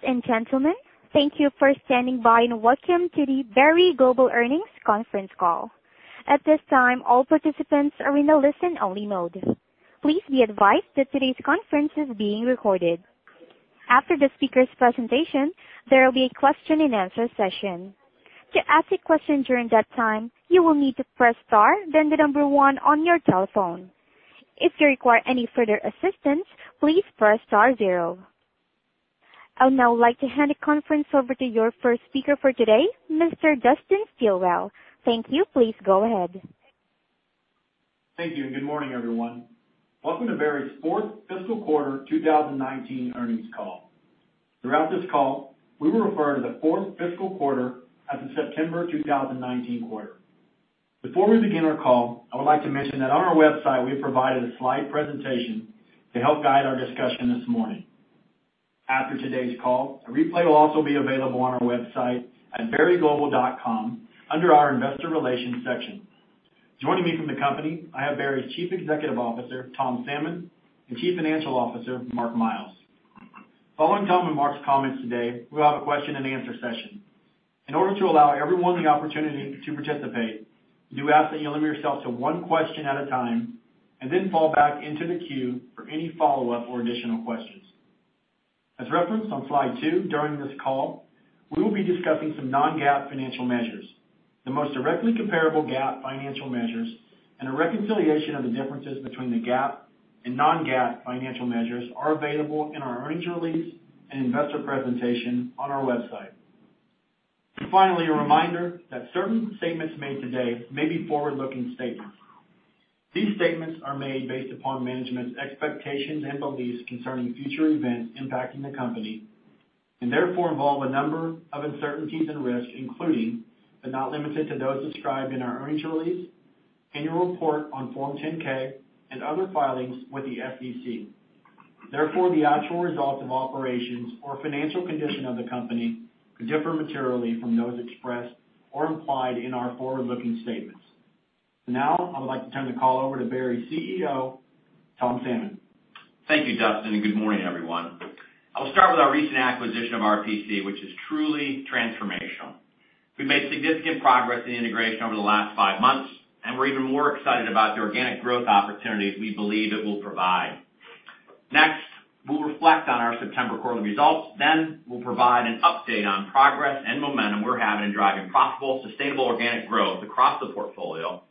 Ladies and gentlemen, thank you for standing by, and welcome to the Berry Global earnings conference call. I would now like to hand the conference over to your first speaker for today, Mr. Dustin Stilwell. Thank you. Please go ahead. Thank you, and good morning, everyone. Welcome to Berry's fourth fiscal quarter 2019 earnings call. Throughout this call, we will refer to the fourth fiscal quarter as the September 2019 quarter. Before we begin our call, I would like to mention that on our website, we have provided a slide presentation to help guide our discussion this morning. After today's call, a replay will also be available on our website at berryglobal.com under our investor relations section. Joining me from the company, I have Berry's Chief Executive Officer, Tom Salmon, and Chief Financial Officer, Mark Miles. Following Tom and Mark's comments today, we'll have a question and answer session. In order to allow everyone the opportunity to participate, we do ask that you limit yourself to one question at a time, and then fall back into the queue for any follow-up or additional questions. As referenced on slide two, during this call, we will be discussing some non-GAAP financial measures. The most directly comparable GAAP financial measures and a reconciliation of the differences between the GAAP and non-GAAP financial measures are available in our earnings release and investor presentation on our website. Finally, a reminder that certain statements made today may be forward-looking statements. These statements are made based upon management's expectations and beliefs concerning future events impacting the company, and therefore involve a number of uncertainties and risks, including, but not limited to, those described in our earnings release, annual report on Form 10-K and other filings with the SEC. Therefore, the actual results of operations or financial condition of the company could differ materially from those expressed or implied in our forward-looking statements. Now, I would like to turn the call over to Berry's CEO, Tom Salmon. Thank you, Dustin. Good morning, everyone. I will start with our recent acquisition of RPC, which is truly transformational. We've made significant progress in the integration over the last five months, and we're even more excited about the organic growth opportunities we believe it will provide. Next, we'll reflect on our September quarterly results. We'll provide an update on progress and momentum we're having in driving profitable, sustainable organic growth across the portfolio.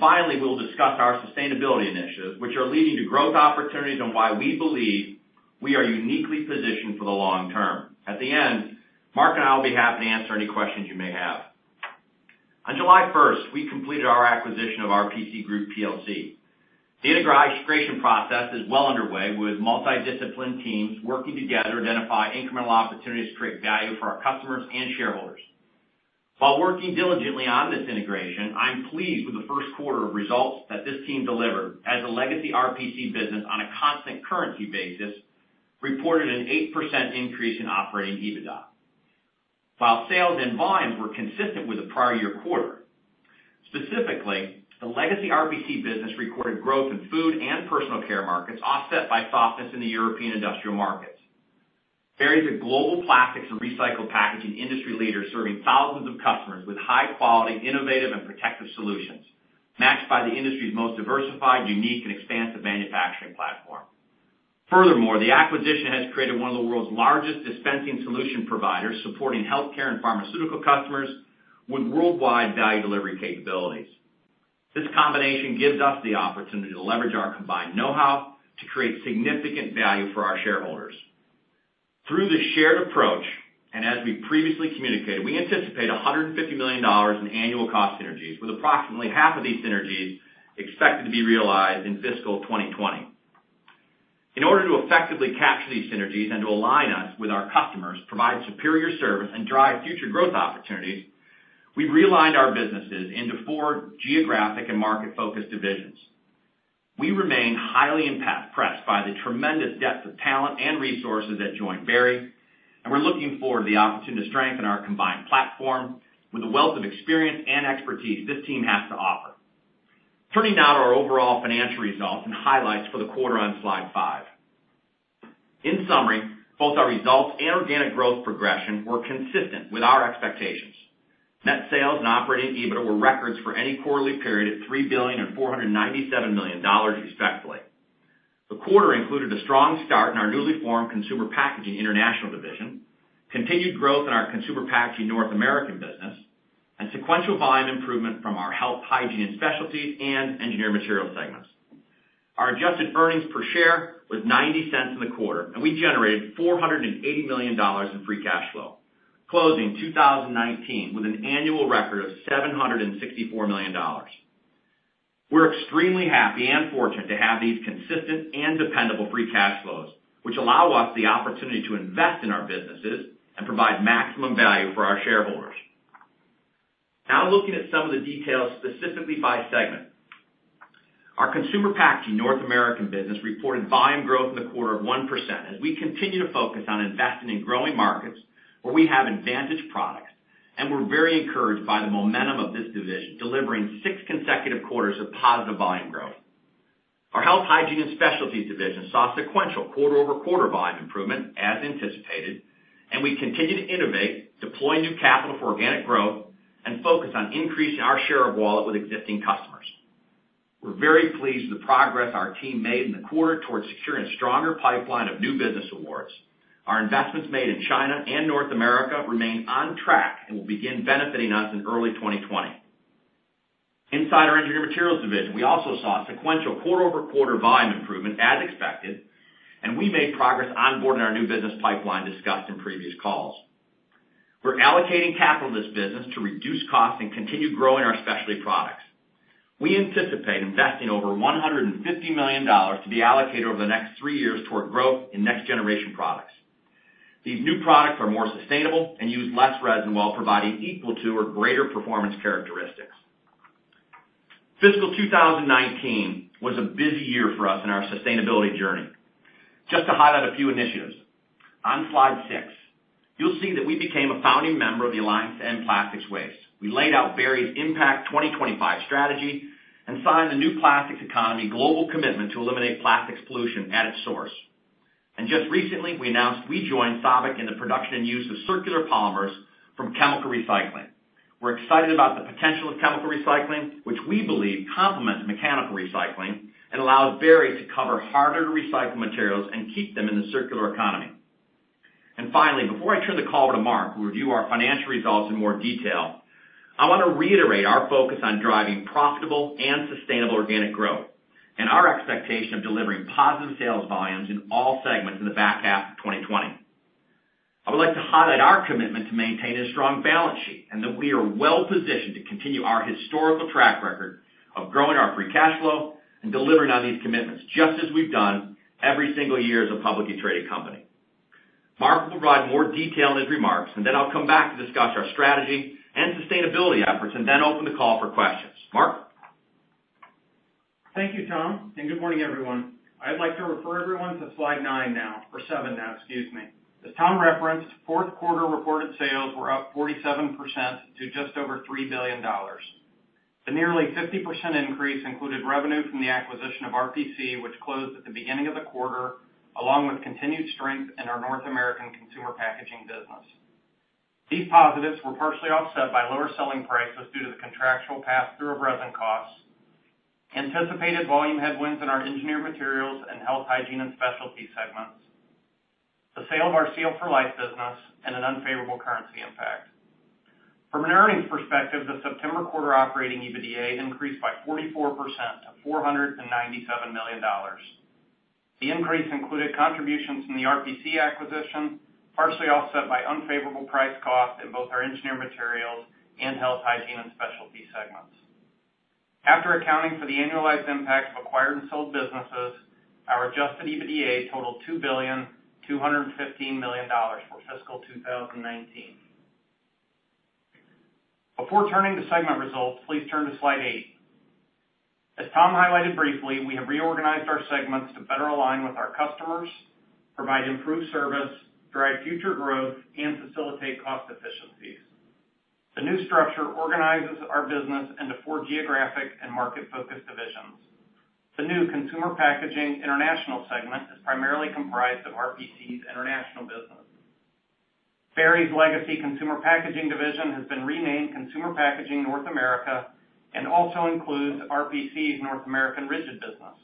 Finally, we'll discuss our sustainability initiatives, which are leading to growth opportunities and why we believe we are uniquely positioned for the long term. At the end, Mark and I will be happy to answer any questions you may have. On July 1st, we completed our acquisition of RPC Group Plc. The integration process is well underway, with multi-disciplined teams working together to identify incremental opportunities to create value for our customers and shareholders. While working diligently on this integration, I'm pleased with the first quarter of results that this team delivered as a legacy RPC business on a constant currency basis, reported an 8% increase in operating EBITDA, while sales and volumes were consistent with the prior year quarter. Specifically, the legacy RPC business recorded growth in food and personal care markets, offset by softness in the European industrial markets. Berry is a global plastics and recycled packaging industry leader, serving thousands of customers with high-quality, innovative, and protective solutions, matched by the industry's most diversified, unique, and expansive manufacturing platform. Furthermore, the acquisition has created one of the world's largest dispensing solution providers, supporting healthcare and pharmaceutical customers with worldwide value delivery capabilities. This combination gives us the opportunity to leverage our combined knowhow to create significant value for our shareholders. Through this shared approach, as we previously communicated, we anticipate $150 million in annual cost synergies with approximately half of these synergies expected to be realized in fiscal 2020. In order to effectively capture these synergies and to align us with our customers, provide superior service, and drive future growth opportunities, we've realigned our businesses into four geographic and market-focused divisions. We remain highly impressed by the tremendous depth of talent and resources that joined Berry, we're looking forward to the opportunity to strengthen our combined platform with the wealth of experience and expertise this team has to offer. Turning now to our overall financial results and highlights for the quarter on slide five. In summary, both our results and organic growth progression were consistent with our expectations. Net sales and operating EBITDA were records for any quarterly period at $3 billion and $497 million respectively. The quarter included a strong start in our newly formed Consumer Packaging – International Division, continued growth in our Consumer Packaging – North America business, and sequential volume improvement from our Health, Hygiene & Specialties and Engineered Materials segments. Our adjusted earnings per share was $0.90 in the quarter. We generated $480 million in free cash flow, closing 2019 with an annual record of $764 million. We're extremely happy and fortunate to have these consistent and dependable free cash flows, which allow us the opportunity to invest in our businesses and provide maximum value for our shareholders. Looking at some of the details specifically by segment. Our Consumer Packaging – North America business reported volume growth in the quarter of 1% as we continue to focus on investing in growing markets where we have advantage products, and we're very encouraged by the momentum of this division delivering six consecutive quarters of positive volume growth. Our Health, Hygiene & Specialties division saw sequential quarter-over-quarter volume improvement, as anticipated, and we continue to innovate, deploy new capital for organic growth, and focus on increasing our share of wallet with existing customers. We're very pleased with the progress our team made in the quarter towards securing a stronger pipeline of new business awards. Our investments made in China and North America remain on track and will begin benefiting us in early 2020. Inside our Engineered Materials division, we also saw sequential quarter-over-quarter volume improvement, as expected, and we made progress onboarding our new business pipeline discussed in previous calls. We're allocating capital to this business to reduce costs and continue growing our specialty products. We anticipate investing over $150 million to be allocated over the next three years toward growth in next-generation products. These new products are more sustainable and use less resin while providing equal to or greater performance characteristics. Fiscal 2019 was a busy year for us in our sustainability journey. Just to highlight a few initiatives, on slide six, you'll see that we became a founding member of the Alliance to End Plastic Waste. We laid out Berry's Impact 2025 strategy and signed the New Plastics Economy Global Commitment to eliminate plastics pollution at its source. Just recently, we announced we joined SABIC in the production and use of circular polymers from chemical recycling. We're excited about the potential of chemical recycling, which we believe complements mechanical recycling and allows Berry to cover harder-to-recycle materials and keep them in the circular economy. Finally, before I turn the call over to Mark, who will review our financial results in more detail, I want to reiterate our focus on driving profitable and sustainable organic growth and our expectation of delivering positive sales volumes in all segments in the back half of 2020. I would like to highlight our commitment to maintaining a strong balance sheet, and that we are well-positioned to continue our historical track record of growing our free cash flow and delivering on these commitments, just as we've done every single year as a publicly traded company. Mark will provide more detail in his remarks, and then I'll come back to discuss our strategy and sustainability efforts and then open the call for questions. Mark? Thank you, Tom, and good morning, everyone. I'd like to refer everyone to slide nine now, or seven now, excuse me. As Tom referenced, fourth quarter reported sales were up 47% to just over $3 billion. The nearly 50% increase included revenue from the acquisition of RPC, which closed at the beginning of the quarter, along with continued strength in our North American consumer packaging business. These positives were partially offset by lower selling prices due to the contractual pass-through of resin costs, anticipated volume headwinds in our Engineered Materials and Health, Hygiene & Specialties segments, the sale of our Seal for Life business, and an unfavorable currency impact. From an earnings perspective, the September quarter operating EBITDA increased by 44% to $497 million. The increase included contributions from the RPC acquisition, partially offset by unfavorable price cost in both our Engineered Materials and Health, Hygiene & Specialties segments. After accounting for the annualized impact of acquired and sold businesses, our adjusted EBITDA totaled $2.215 billion for fiscal 2019. Before turning to segment results, please turn to slide eight. As Tom highlighted briefly, we have reorganized our segments to better align with our customers, provide improved service, drive future growth, and facilitate cost efficiencies. The new structure organizes our business into four geographic and market-focused divisions. The new Consumer Packaging – International segment is primarily comprised of RPC's international business. Berry's legacy Consumer Packaging division has been renamed Consumer Packaging – North America and also includes RPC's North American rigid business.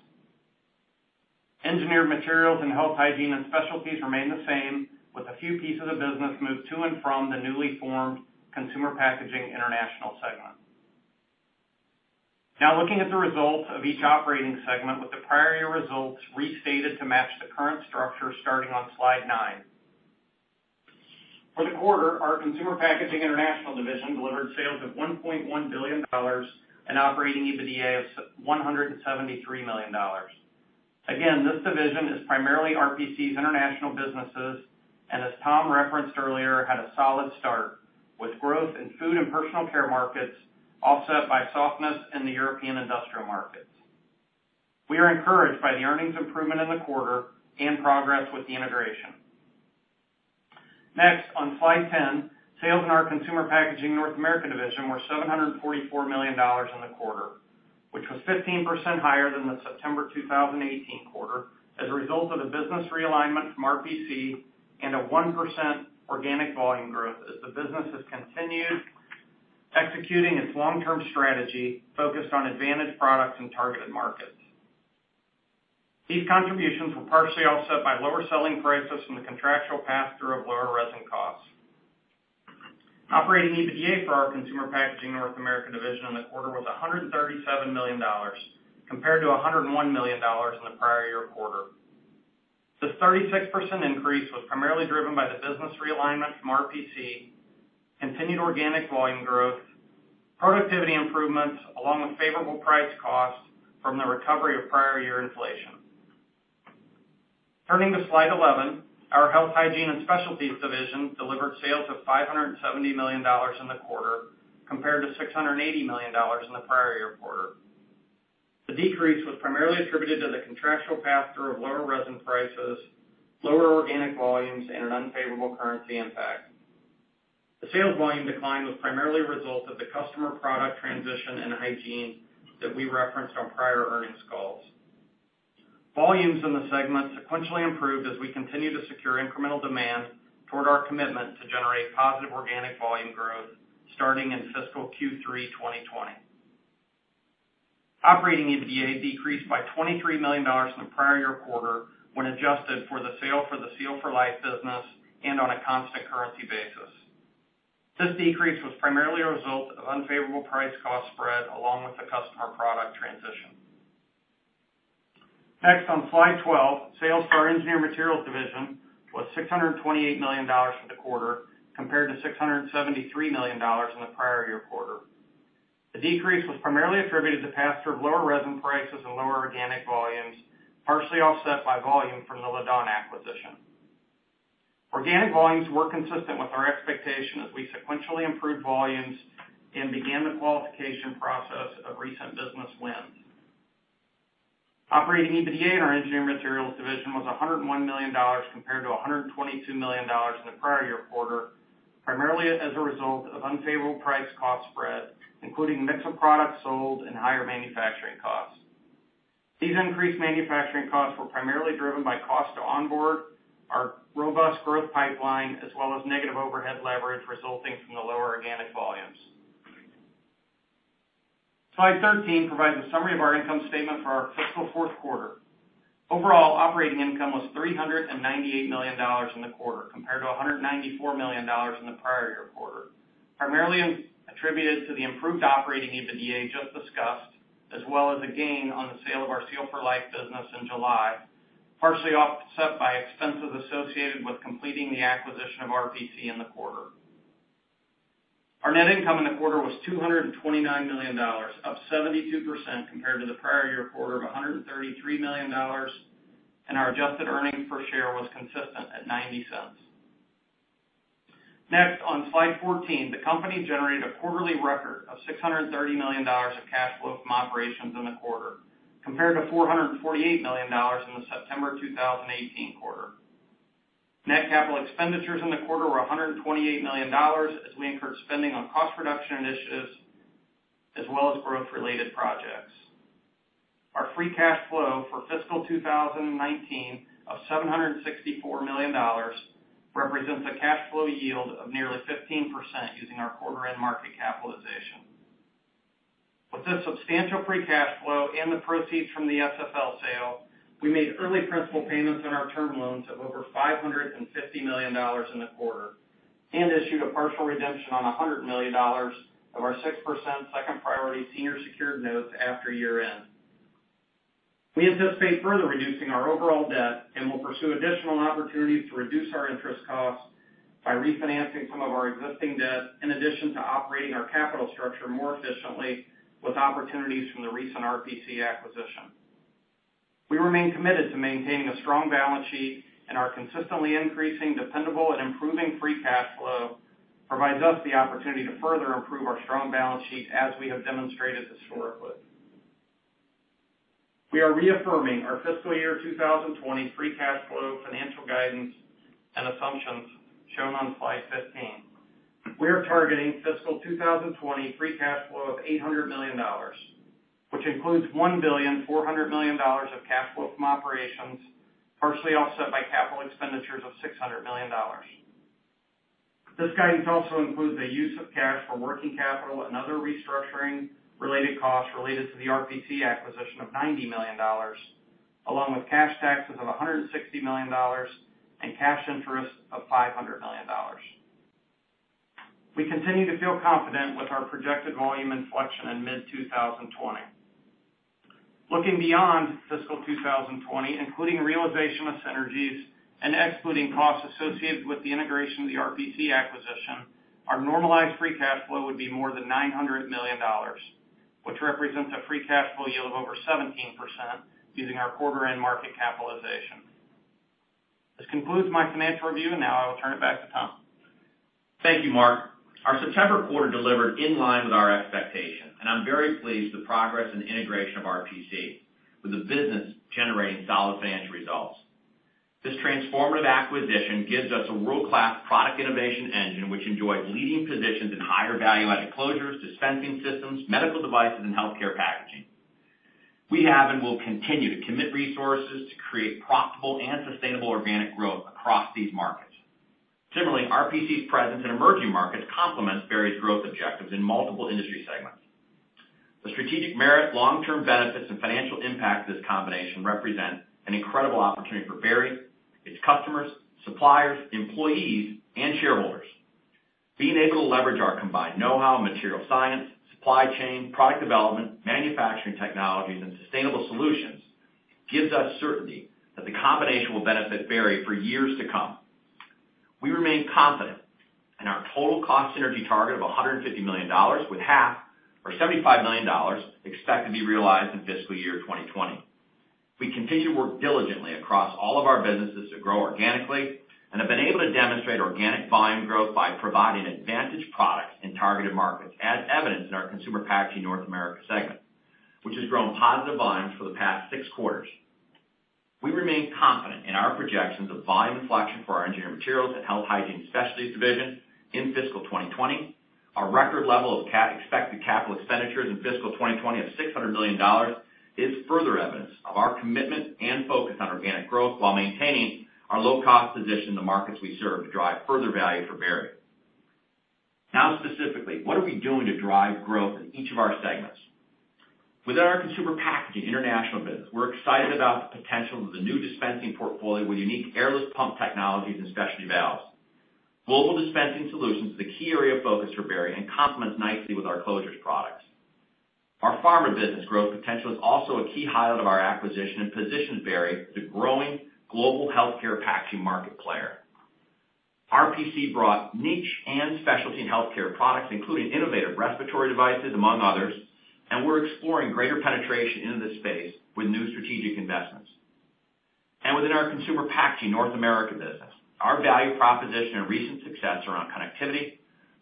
Engineered Materials and Health, Hygiene & Specialties remain the same, with a few pieces of business moved to and from the newly formed Consumer Packaging – International segment. Looking at the results of each operating segment with the prior year results restated to match the current structure starting on slide nine. For the quarter, our Consumer Packaging – International division delivered sales of $1.1 billion and operating EBITDA of $173 million. Again, this division is primarily RPC's international businesses, and as Tom referenced earlier, had a solid start with growth in food and personal care markets offset by softness in the European industrial markets. We are encouraged by the earnings improvement in the quarter and progress with the integration. Next, on slide 10, sales in our Consumer Packaging – North America division were $744 million in the quarter, which was 15% higher than the September 2018 quarter as a result of the business realignment from RPC and a 1% organic volume growth as the business has continued executing its long-term strategy focused on advantage products and targeted markets. These contributions were partially offset by lower selling prices from the contractual pass-through of lower resin costs. Operating EBITDA for our Consumer Packaging – North America division in the quarter was $137 million, compared to $101 million in the prior year quarter. This 36% increase was primarily driven by the business realignment from RPC, continued organic volume growth, productivity improvements, along with favorable price cost from the recovery of prior year inflation. Turning to slide 11, our Health, Hygiene & Specialties division delivered sales of $570 million in the quarter, compared to $680 million in the prior year quarter. The decrease was primarily attributed to the contractual pass-through of lower resin prices, lower organic volumes, and an unfavorable currency impact. The sales volume decline was primarily a result of the customer product transition and hygiene that we referenced on prior earnings calls. Volumes in the segment sequentially improved as we continue to secure incremental demand toward our commitment to generate positive organic volume growth starting in fiscal Q3 2020. Operating EBITDA decreased by $23 million from the prior year quarter when adjusted for the sale for the Seal for Life business and on a constant currency basis. This decrease was primarily a result of unfavorable price-cost spread, along with the customer product transition. Next, on slide 12, sales for our Engineered Materials division was $628 million for the quarter, compared to $673 million in the prior year quarter. The decrease was primarily attributed to pass-through of lower resin prices and lower organic volumes, partially offset by volume from the Laddawn acquisition. Organic volumes were consistent with our expectation as we sequentially improved volumes and began the qualification process of recent business wins. Operating EBITDA in our Engineered Materials division was $101 million compared to $122 million in the prior year quarter, primarily as a result of unfavorable price-cost spread, including mix of products sold and higher manufacturing costs. These increased manufacturing costs were primarily driven by cost to onboard our robust growth pipeline, as well as negative overhead leverage resulting from the lower organic volumes. Slide 13 provides a summary of our income statement for our fiscal fourth quarter. Overall, operating income was $398 million in the quarter, compared to $194 million in the prior year quarter, primarily attributed to the improved operating EBITDA just discussed, as well as a gain on the sale of our Seal for Life business in July, partially offset by expenses associated with completing the acquisition of RPC in the quarter. Our net income in the quarter was $229 million, up 72% compared to the prior year quarter of $133 million, and our adjusted earnings per share was consistent at $0.90. On slide 14, the company generated a quarterly record of $630 million of cash flow from operations in the quarter, compared to $448 million in the September 2018 quarter. Net capital expenditures in the quarter were $128 million as we incurred spending on cost reduction initiatives as well as growth-related projects. Our free cash flow for fiscal 2019 of $764 million represents a cash flow yield of nearly 15% using our quarter-end market capitalization. With this substantial free cash flow and the proceeds from the SFL sale, we made early principal payments on our term loans of over $550 million in the quarter and issued a partial redemption on $100 million of our 6% second priority senior secured notes after year-end. We anticipate further reducing our overall debt and will pursue additional opportunities to reduce our interest costs by refinancing some of our existing debt, in addition to operating our capital structure more efficiently with opportunities from the recent RPC acquisition. We remain committed to maintaining a strong balance sheet, and our consistently increasing dependable and improving free cash flow provides us the opportunity to further improve our strong balance sheet as we have demonstrated historically. We are reaffirming our fiscal year 2020 free cash flow financial guidance and assumptions shown on slide 15. We are targeting fiscal 2020 free cash flow of $800 million, which includes $1,400 million of cash flow from operations, partially offset by capital expenditures of $600 million. This guidance also includes the use of cash for working capital and other restructuring related costs related to the RPC acquisition of $90 million, along with cash taxes of $160 million and cash interest of $500 million. We continue to feel confident with our projected volume inflection in mid-2020. Looking beyond fiscal 2020, including realization of synergies and excluding costs associated with the integration of the RPC acquisition, our normalized free cash flow would be more than $900 million, which represents a free cash flow yield of over 17% using our quarter end market capitalization. This concludes my financial review. Now I will turn it back to Tom. Thank you, Mark. Our September quarter delivered in line with our expectations, and I'm very pleased with the progress and integration of RPC, with the business generating solid financial results. This transformative acquisition gives us a world-class product innovation engine which enjoys leading positions in higher value-added closures, dispensing systems, medical devices, and healthcare packaging. We have and will continue to commit resources to create profitable and sustainable organic growth across these markets. Similarly, RPC's presence in emerging markets complements Berry's growth objectives in multiple industry segments. The strategic merit long-term benefits and financial impact of this combination represent an incredible opportunity for Berry, its customers, suppliers, employees, and shareholders. Being able to leverage our combined know-how in material science, supply chain, product development, manufacturing technologies, and sustainable solutions gives us certainty that the combination will benefit Berry for years to come. We remain confident in our total cost synergy target of $150 million, with half or $75 million expected to be realized in fiscal year 2020. We continue to work diligently across all of our businesses to grow organically and have been able to demonstrate organic volume growth by providing advantage products in targeted markets, as evidenced in our Consumer Packaging – North America segment, which has grown positive volumes for the past six quarters. We remain confident in our projections of volume inflection for our Engineered Materials and Health, Hygiene & Specialties division in fiscal 2020. Our record level of expected capital expenditures in fiscal 2020 of $600 million is further evidence of our commitment and focus on organic growth while maintaining our low-cost position in the markets we serve to drive further value for Berry. Specifically, what are we doing to drive growth in each of our segments? Within our Consumer Packaging – International business, we're excited about the potential of the new dispensing portfolio with unique airless pump technologies and specialty valves. Global dispensing solutions is a key area of focus for Berry and complements nicely with our closures products. Our pharma business growth potential is also a key highlight of our acquisition and positions Berry as a growing global healthcare packaging market player. RPC brought niche and specialty in healthcare products, including innovative respiratory devices, among others. We're exploring greater penetration into this space with new strategic investments. Within our Consumer Packaging – North America business, our value proposition and recent success around connectivity,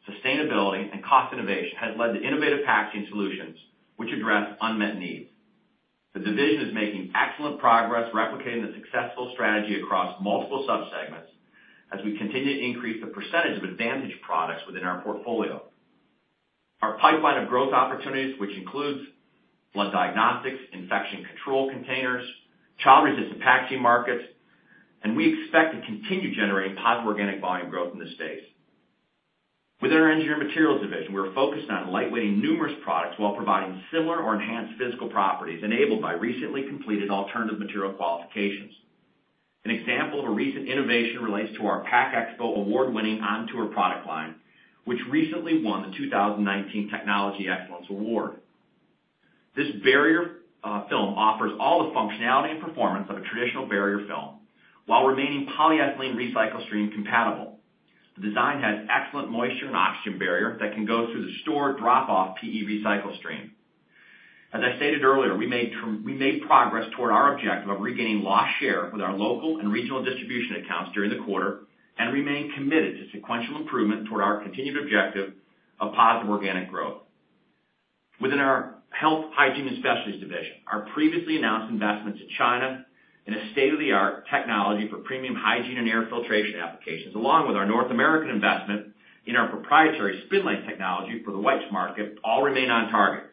sustainability, and cost innovation has led to innovative packaging solutions which address unmet needs. The division is making excellent progress replicating the successful strategy across multiple sub-segments as we continue to increase the percentage of advantage products within our portfolio. Our pipeline of growth opportunities, which includes blood diagnostics, infection control containers, child-resistant packaging markets, and we expect to continue generating positive organic volume growth in this space. Within our Engineered Materials division, we're focused on lightweighting numerous products while providing similar or enhanced physical properties enabled by recently completed alternative material qualifications. An example of a recent innovation relates to our PACK EXPO award-winning Entour product line, which recently won the 2019 Technology Excellence Award. This barrier film offers all the functionality and performance of a traditional barrier film while remaining polyethylene recycle stream compatible. The design has excellent moisture and oxygen barrier that can go through the store drop-off PE recycle stream. As I stated earlier, we made progress toward our objective of regaining lost share with our local and regional distribution accounts during the quarter and remain committed to sequential improvement toward our continued objective of positive organic growth. Within our Health, Hygiene & Specialties division, our previously announced investments in China in a state-of-the-art technology for premium hygiene and air filtration applications, along with our North American investment in our proprietary Spinlace technology for the wipes market, all remain on target.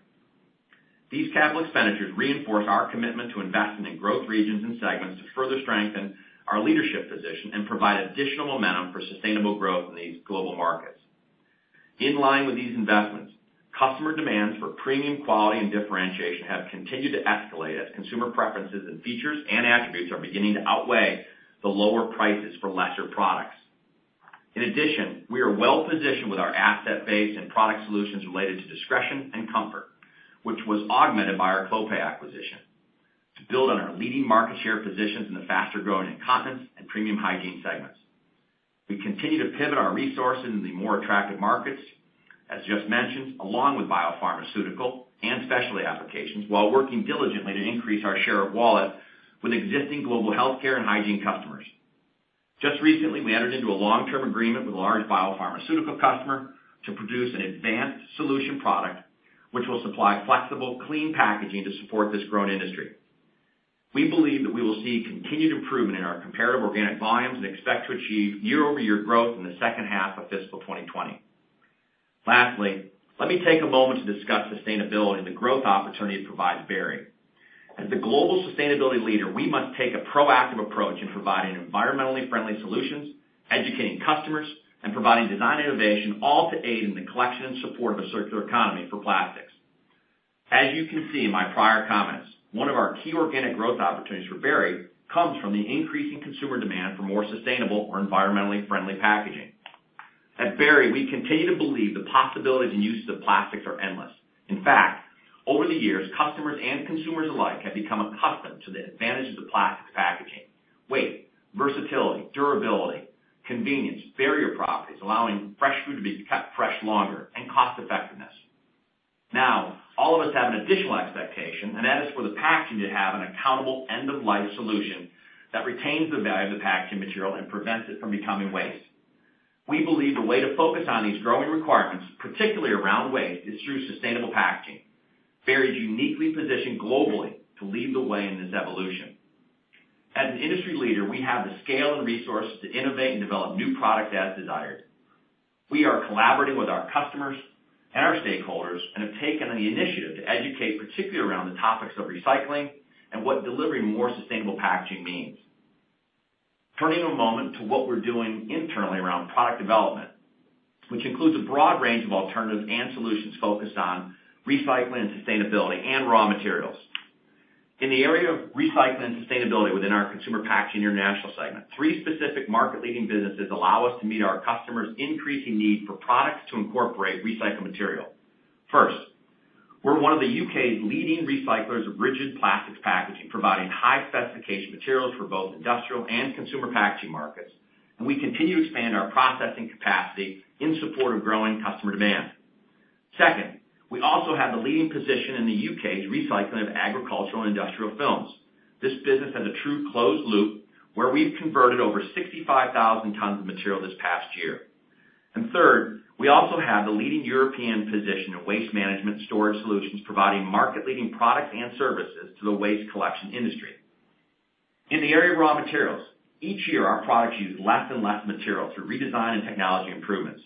These capital expenditures reinforce our commitment to investing in growth regions and segments to further strengthen our leadership position and provide additional momentum for sustainable growth in these global markets. In line with these investments, customer demands for premium quality and differentiation have continued to escalate as consumer preferences and features and attributes are beginning to outweigh the lower prices for lesser products. In addition, we are well-positioned with our asset base and product solutions related to discretion and comfort, which was augmented by our Clopay acquisition to build on our leading market share positions in the faster-growing incontinence and premium hygiene segments. We continue to pivot our resources into the more attractive markets, as just mentioned, along with biopharmaceutical and specialty applications, while working diligently to increase our share of wallet with existing global healthcare and hygiene customers. Just recently, we entered into a long-term agreement with a large biopharmaceutical customer to produce an advanced solution product, which will supply flexible, clean packaging to support this growing industry. We believe that we will see continued improvement in our comparative organic volumes and expect to achieve year-over-year growth in the second half of fiscal 2020. Lastly, let me take a moment to discuss sustainability and the growth opportunity it provides Berry. As the global sustainability leader, we must take a proactive approach in providing environmentally friendly solutions, educating customers, and providing design innovation all to aid in the collection and support of a circular economy for plastics. As you can see in my prior comments, one of our key organic growth opportunities for Berry comes from the increasing consumer demand for more sustainable or environmentally friendly packaging. At Berry, we continue to believe the possibilities and uses of plastics are endless. In fact, over the years, customers and consumers alike have become accustomed to the advantages of plastics packaging, weight, versatility, durability, convenience, barrier properties, allowing fresh food to be kept fresh longer, and cost-effectiveness. All of us have an additional expectation, and that is for the packaging to have an accountable end-of-life solution that retains the value of the packaging material and prevents it from becoming waste. We believe the way to focus on these growing requirements, particularly around waste, is through sustainable packaging. Berry is uniquely positioned globally to lead the way in this evolution. As an industry leader, we have the scale and resources to innovate and develop new product as desired. We are collaborating with our customers and our stakeholders and have taken the initiative to educate, particularly around the topics of recycling and what delivering more sustainable packaging means. Turning a moment to what we're doing internally around product development, which includes a broad range of alternatives and solutions focused on recycling and sustainability and raw materials. In the area of recycling and sustainability within our Consumer Packaging – International segment, three specific market-leading businesses allow us to meet our customers' increasing need for products to incorporate recycled material. First, we're one of the U.K.'s leading recyclers of rigid plastics packaging, providing high-specification materials for both industrial and consumer packaging markets, and we continue to expand our processing capacity in support of growing customer demand. Second, we also have the leading position in the U.K.'s recycling of agricultural and industrial films. This business has a true closed loop where we've converted over 65,000 T of material this past year. Third, we also have the leading European position in waste management storage solutions, providing market-leading products and services to the waste collection industry. In the area of raw materials, each year our products use less and less material through redesign and technology improvements.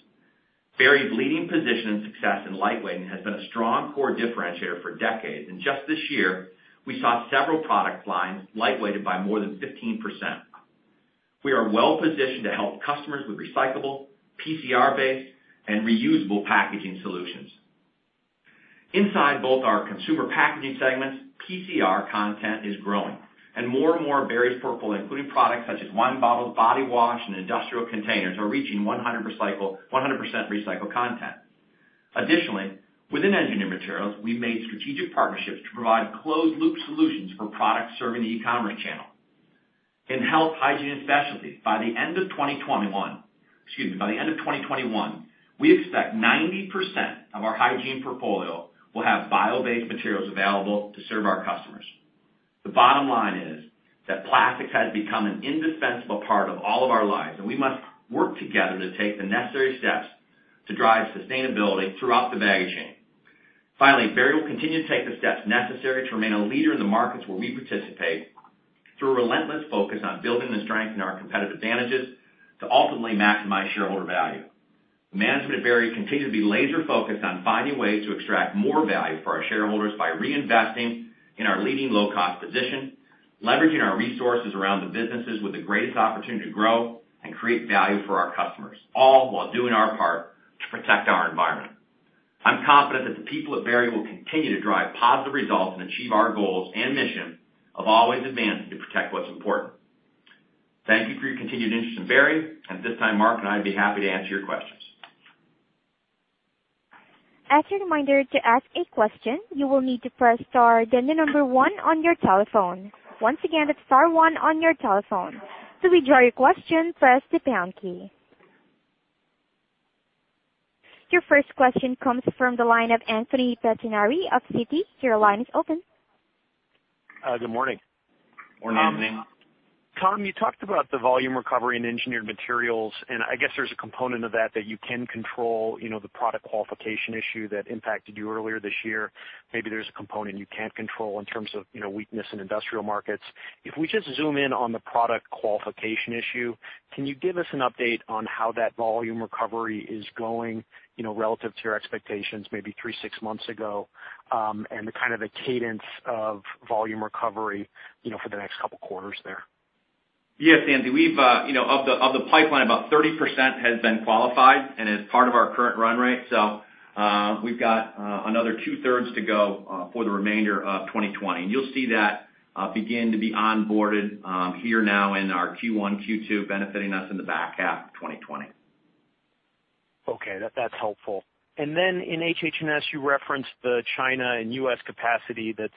Berry's leading position and success in lightweighting has been a strong core differentiator for decades, and just this year, we saw several product lines lightweighted by more than 15%. We are well-positioned to help customers with recyclable, PCR-based, and reusable packaging solutions. Inside both our consumer packaging segments, PCR content is growing, and more and more of Berry's portfolio, including products such as wine bottles, body wash, and industrial containers, are reaching 100% recycled content. Additionally, within Engineered Materials, we've made strategic partnerships to provide closed-loop solutions for products serving the e-commerce channel. In Health, Hygiene & Specialties, by the end of 2021, we expect 90% of our hygiene portfolio will have bio-based materials available to serve our customers. The bottom line is that plastics has become an indispensable part of all of our lives, and we must work together to take the necessary steps to drive sustainability throughout the value chain. Finally, Berry will continue to take the steps necessary to remain a leader in the markets where we participate through a relentless focus on building and strengthening our competitive advantages to ultimately maximize shareholder value. Management at Berry continues to be laser-focused on finding ways to extract more value for our shareholders by reinvesting in our leading low-cost position, leveraging our resources around the businesses with the greatest opportunity to grow and create value for our customers, all while doing our part to protect our environment. I'm confident that the people at Berry will continue to drive positive results and achieve our goals and mission of always advancing to protect what's important. Thank you for your continued interest in Berry. At this time, Mark and I'd be happy to answer your questions. Your first question comes from the line of Anthony Pettinari of Citi. Your line is open. Good morning. Morning. Tom, you talked about the volume recovery in Engineered Materials, and I guess there's a component of that that you can control, the product qualification issue that impacted you earlier this year. Maybe there's a component you can't control in terms of weakness in industrial markets. If we just zoom in on the product qualification issue, can you give us an update on how that volume recovery is going relative to your expectations maybe three, six months ago, and the kind of the cadence of volume recovery for the next couple of quarters there? Yes,[Anthony]. Of the pipeline, about 30% has been qualified and is part of our current run rate. We've got another two-thirds to go for the remainder of 2020. You'll see that begin to be onboarded here now in our Q1, Q2, benefiting us in the back half of 2020. Okay. That's helpful. In HH&S, you referenced the China and U.S. capacity that's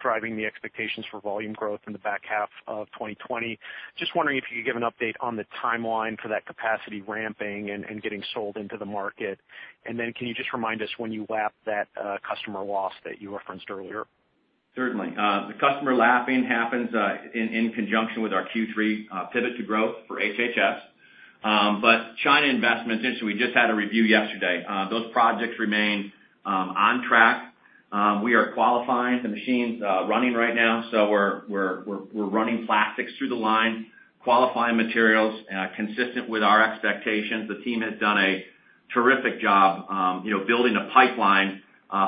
driving the expectations for volume growth in the back half of 2020. Just wondering if you could give an update on the timeline for that capacity ramping and getting sold into the market. Can you just remind us when you lap that customer loss that you referenced earlier? Certainly. The customer lapping happens in conjunction with our Q3 pivot to growth for HH&S. China investments, actually we just had a review yesterday. Those projects remain on track. We are qualifying the machines running right now, so we're running plastics through the line, qualifying materials consistent with our expectations. The team has done a terrific job building a pipeline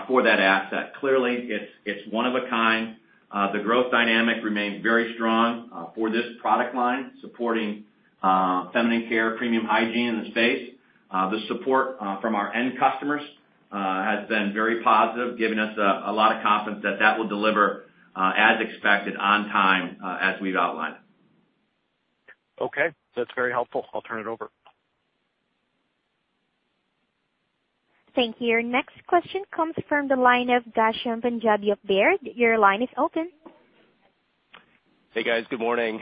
for that asset. Clearly, it's one of a kind. The growth dynamic remains very strong for this product line, supporting feminine care, premium hygiene in the space. The support from our end customers has been very positive, giving us a lot of confidence that that will deliver as expected on time, as we've outlined. Okay. That's very helpful. I'll turn it over. Thank you. Your next question comes from the line of Ghansham Panjabi of Baird. Your line is open. Hey, guys. Good morning.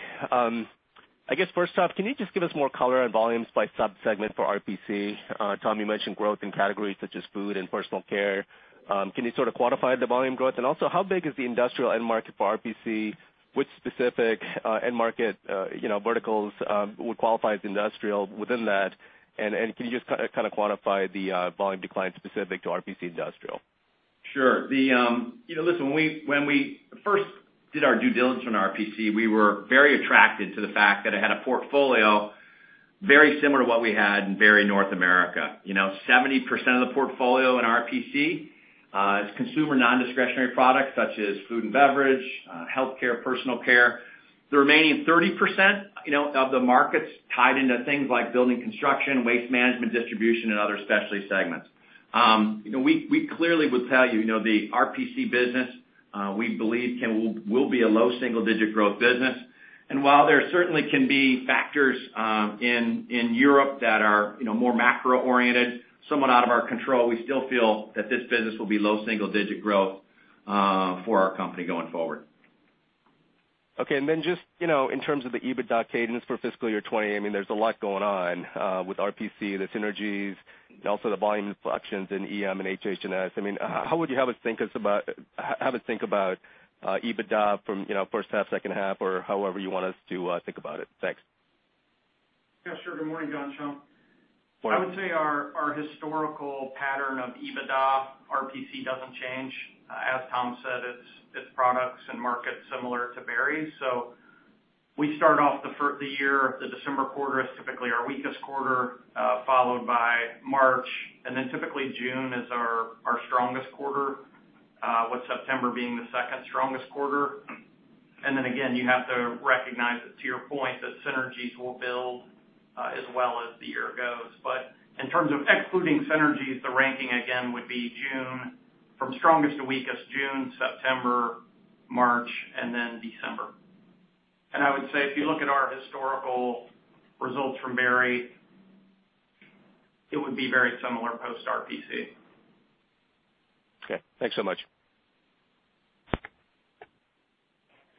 I guess first off, can you just give us more color on volumes by sub-segment for RPC? Tom, you mentioned growth in categories such as food and personal care. Can you sort of quantify the volume growth? Also, how big is the industrial end market for RPC? Which specific end market verticals would qualify as industrial within that? Can you just kind of quantify the volume decline specific to RPC industrial? Sure. Listen, when we first did our due diligence on RPC, we were very attracted to the fact that it had a portfolio very similar to what we had in Berry North America. 70% of the portfolio in RPC is consumer non-discretionary products such as food and beverage, healthcare, personal care. The remaining 30% of the market's tied into things like building construction, waste management distribution, and other specialty segments. We clearly would tell you, the RPC business we believe will be a low single-digit growth business. While there certainly can be factors in Europe that are more macro-oriented, somewhat out of our control, we still feel that this business will be low single-digit growth for our company going forward. Okay. Just in terms of the EBITDA cadence for fiscal year 2020, there's a lot going on with RPC, the synergies, also the volume inflections in EM and HH&S. How would you have us think about EBITDA from first half, second half, or however you want us to think about it? Thanks. Yeah, sure. Good morning, Ghansham. Morning. I would say our historical pattern of EBITDA, RPC doesn't change. As Tom said, it's products and markets similar to Berry. We start off the year, the December quarter is typically our weakest quarter, followed by March, and then typically June is our strongest quarter, with September being the second strongest quarter. Then again, you have to recognize that, to your point, that synergies will build as well as the year goes. In terms of excluding synergies, the ranking again would be, from strongest to weakest, June, September, March, and then December. I would say, if you look at our historical results from Berry, it would be very similar post-RPC. Okay, thanks so much.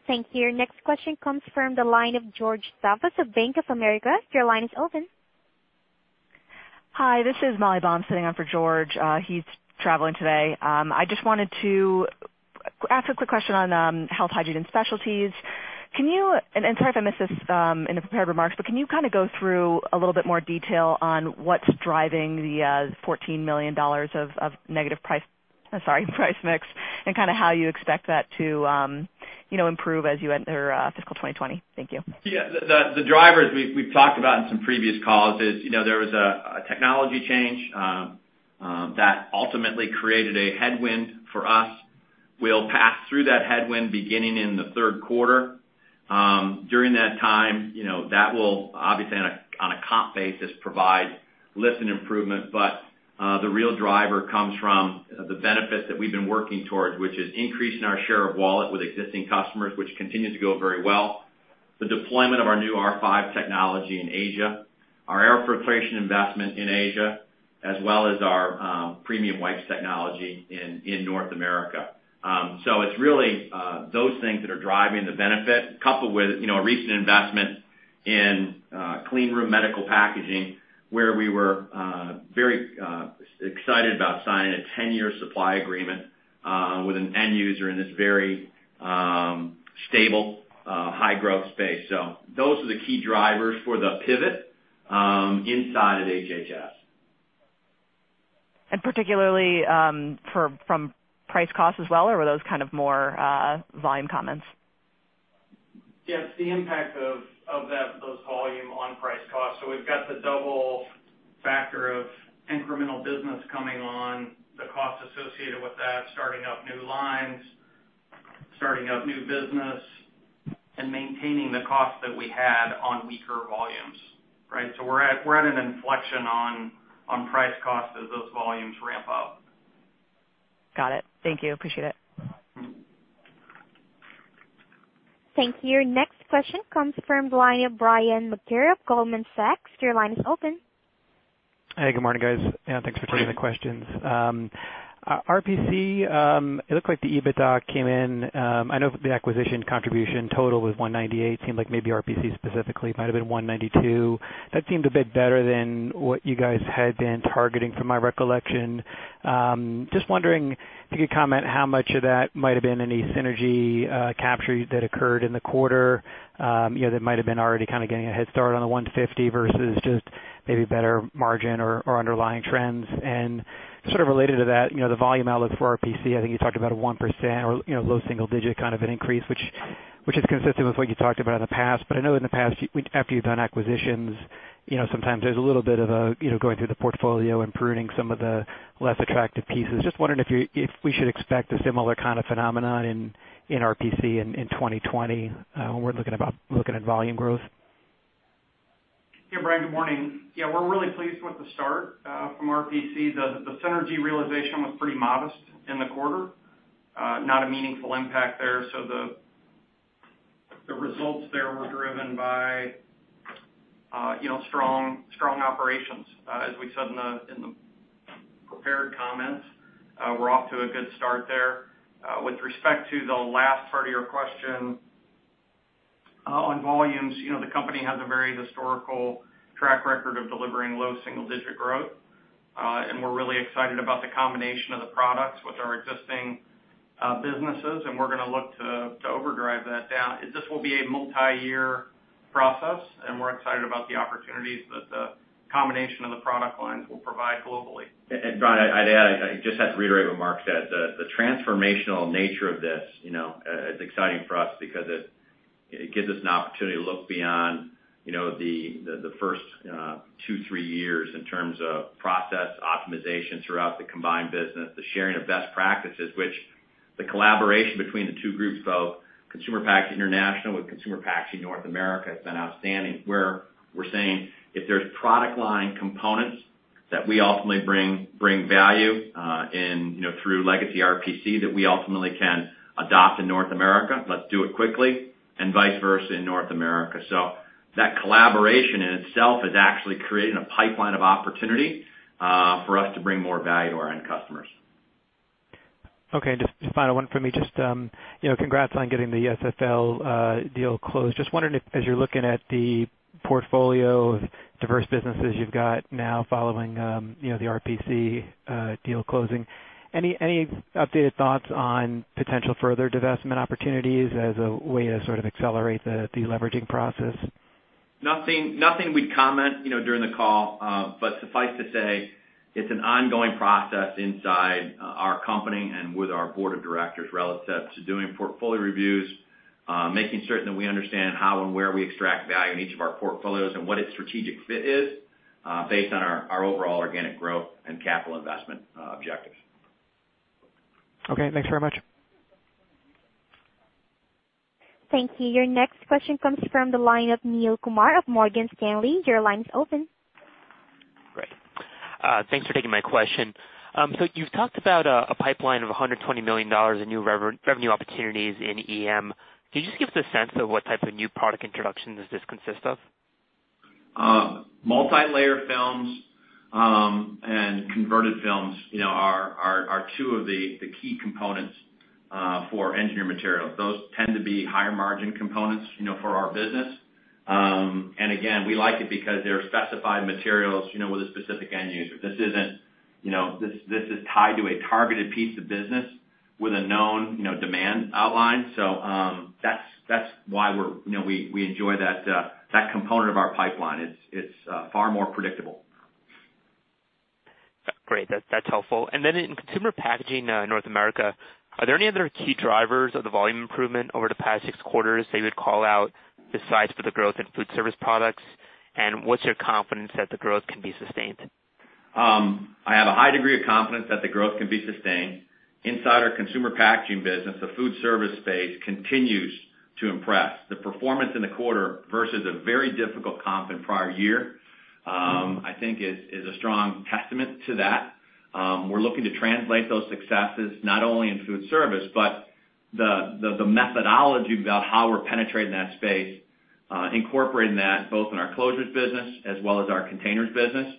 Thank you. Next question comes from the line of George Staphos of Bank of America. Your line is open. Hi, this is Molly Baum sitting on for George. He's traveling today. I just wanted to ask a quick question on Health, Hygiene & Specialties. Sorry if I missed this in the prepared remarks, but can you go through a little bit more detail on what's driving the $14 million of negative price, sorry, price mix, and how you expect that to improve as you enter fiscal 2020? Thank you. Yeah. The drivers we've talked about in some previous calls is. There was a technology change that ultimately created a headwind for us. We'll pass through that headwind beginning in the third quarter. During that time, that will obviously, on a comp basis, provide lift and improvement. The real driver comes from the benefits that we've been working towards, which is increasing our share of wallet with existing customers, which continues to go very well. The deployment of our new R5 technology in Asia, our air filtration investment in Asia, as well as our premium wipes technology in North America. It's really those things that are driving the benefit, coupled with a recent investment in clean room medical packaging, where we were very excited about signing a 10-year supply agreement with an end user in this very stable, high growth space. Those are the key drivers for the pivot inside of HH&S. Particularly, from price cost as well, or were those more volume comments? Yeah. It's the impact of those volume on price cost. We've got the double factor of incremental business coming on, the cost associated with that, starting up new lines, starting up new business, and maintaining the cost that we had on weaker volumes. Right? We're at an inflection on price cost as those volumes ramp up. Got it. Thank you. Appreciate it. Thank you. Next question comes from the line of Brian Maguire of Goldman Sachs. Your line is open. Hey, good morning, guys. Yeah, thanks for taking the questions. RPC, it looked like the EBITDA came in, I know the acquisition contribution total was $198. Seemed like maybe RPC specifically might've been $192. That seemed a bit better than what you guys had been targeting from my recollection. Just wondering if you could comment how much of that might've been any synergy capture that occurred in the quarter, that might've been already getting a head start on the $150 versus just maybe better margin or underlying trends. Sort of related to that, the volume outlook for RPC, I think you talked about a 1% or low single digit kind of an increase, which is consistent with what you talked about in the past. I know in the past, after you've done acquisitions, sometimes there's a little bit of going through the portfolio and pruning some of the less attractive pieces. Just wondering if we should expect a similar kind of phenomenon in RPC in 2020, when we're looking at volume growth. Brian, good morning. We're really pleased with the start from RPC. The synergy realization was pretty modest in the quarter. Not a meaningful impact there. The results there were driven by strong operations. As we said in the prepared comments, we're off to a good start there. With respect to the last part of your question on volumes, the company has a very historical track record of delivering low single-digit growth. We're really excited about the combination of the products with our existing businesses, and we're going to look to overdrive that [down. This will be a multi-year process, and we're excited about the opportunities that the combination of the product lines will provide globally. Brian, I'd add, I just have to reiterate what Mark said. The transformational nature of this is exciting for us because it gives us an opportunity to look beyond the first two, three years in terms of process optimization throughout the combined business, the sharing of best practices. Which the collaboration between the two groups, both Consumer Packaging – International with Consumer Packaging – North America, has been outstanding, where we're saying if there's product line components that we ultimately bring value in through legacy RPC that we ultimately can adopt in North America, let's do it quickly, and vice versa in North America. That collaboration in itself is actually creating a pipeline of opportunity for us to bring more value to our end customers. Okay. Just final one for me. Just congrats on getting the SFL deal closed. Just wondering if, as you're looking at the portfolio of diverse businesses you've got now following the RPC deal closing, any updated thoughts on potential further divestment opportunities as a way to sort of accelerate the deleveraging process? Nothing we'd comment during the call. Suffice to say, it's an ongoing process inside our company and with our board of directors relative to doing portfolio reviews, making certain that we understand how and where we extract value in each of our portfolios and what its strategic fit is, based on our overall organic growth and capital investment objectives. Okay, thanks very much. Thank you. Your next question comes from the line of Neel Kumar of Morgan Stanley. Your line's open. Great. Thanks for taking my question. You've talked about a pipeline of $120 million in new revenue opportunities in EM. Can you just give us a sense of what type of new product introductions does this consist of? Multi-layer films and converted films are two of the key components for Engineered Materials. Those tend to be higher margin components for our business. Again, we like it because they're specified materials with a specific end user. This is tied to a targeted piece of business with a known demand outline. That's why we enjoy that component of our pipeline. It's far more predictable. Great. That's helpful. In Consumer Packaging – North America, are there any other key drivers of the volume improvement over the past six quarters that you would call out besides for the growth in food service products? What's your confidence that the growth can be sustained? I have a high degree of confidence that the growth can be sustained. Inside our consumer packaging business, the food service space continues to impress. The performance in the quarter versus a very difficult comp in prior year, I think, is a strong testament to that. We're looking to translate those successes not only in food service, but the methodology about how we're penetrating that space, incorporating that both in our closures business as well as our containers business.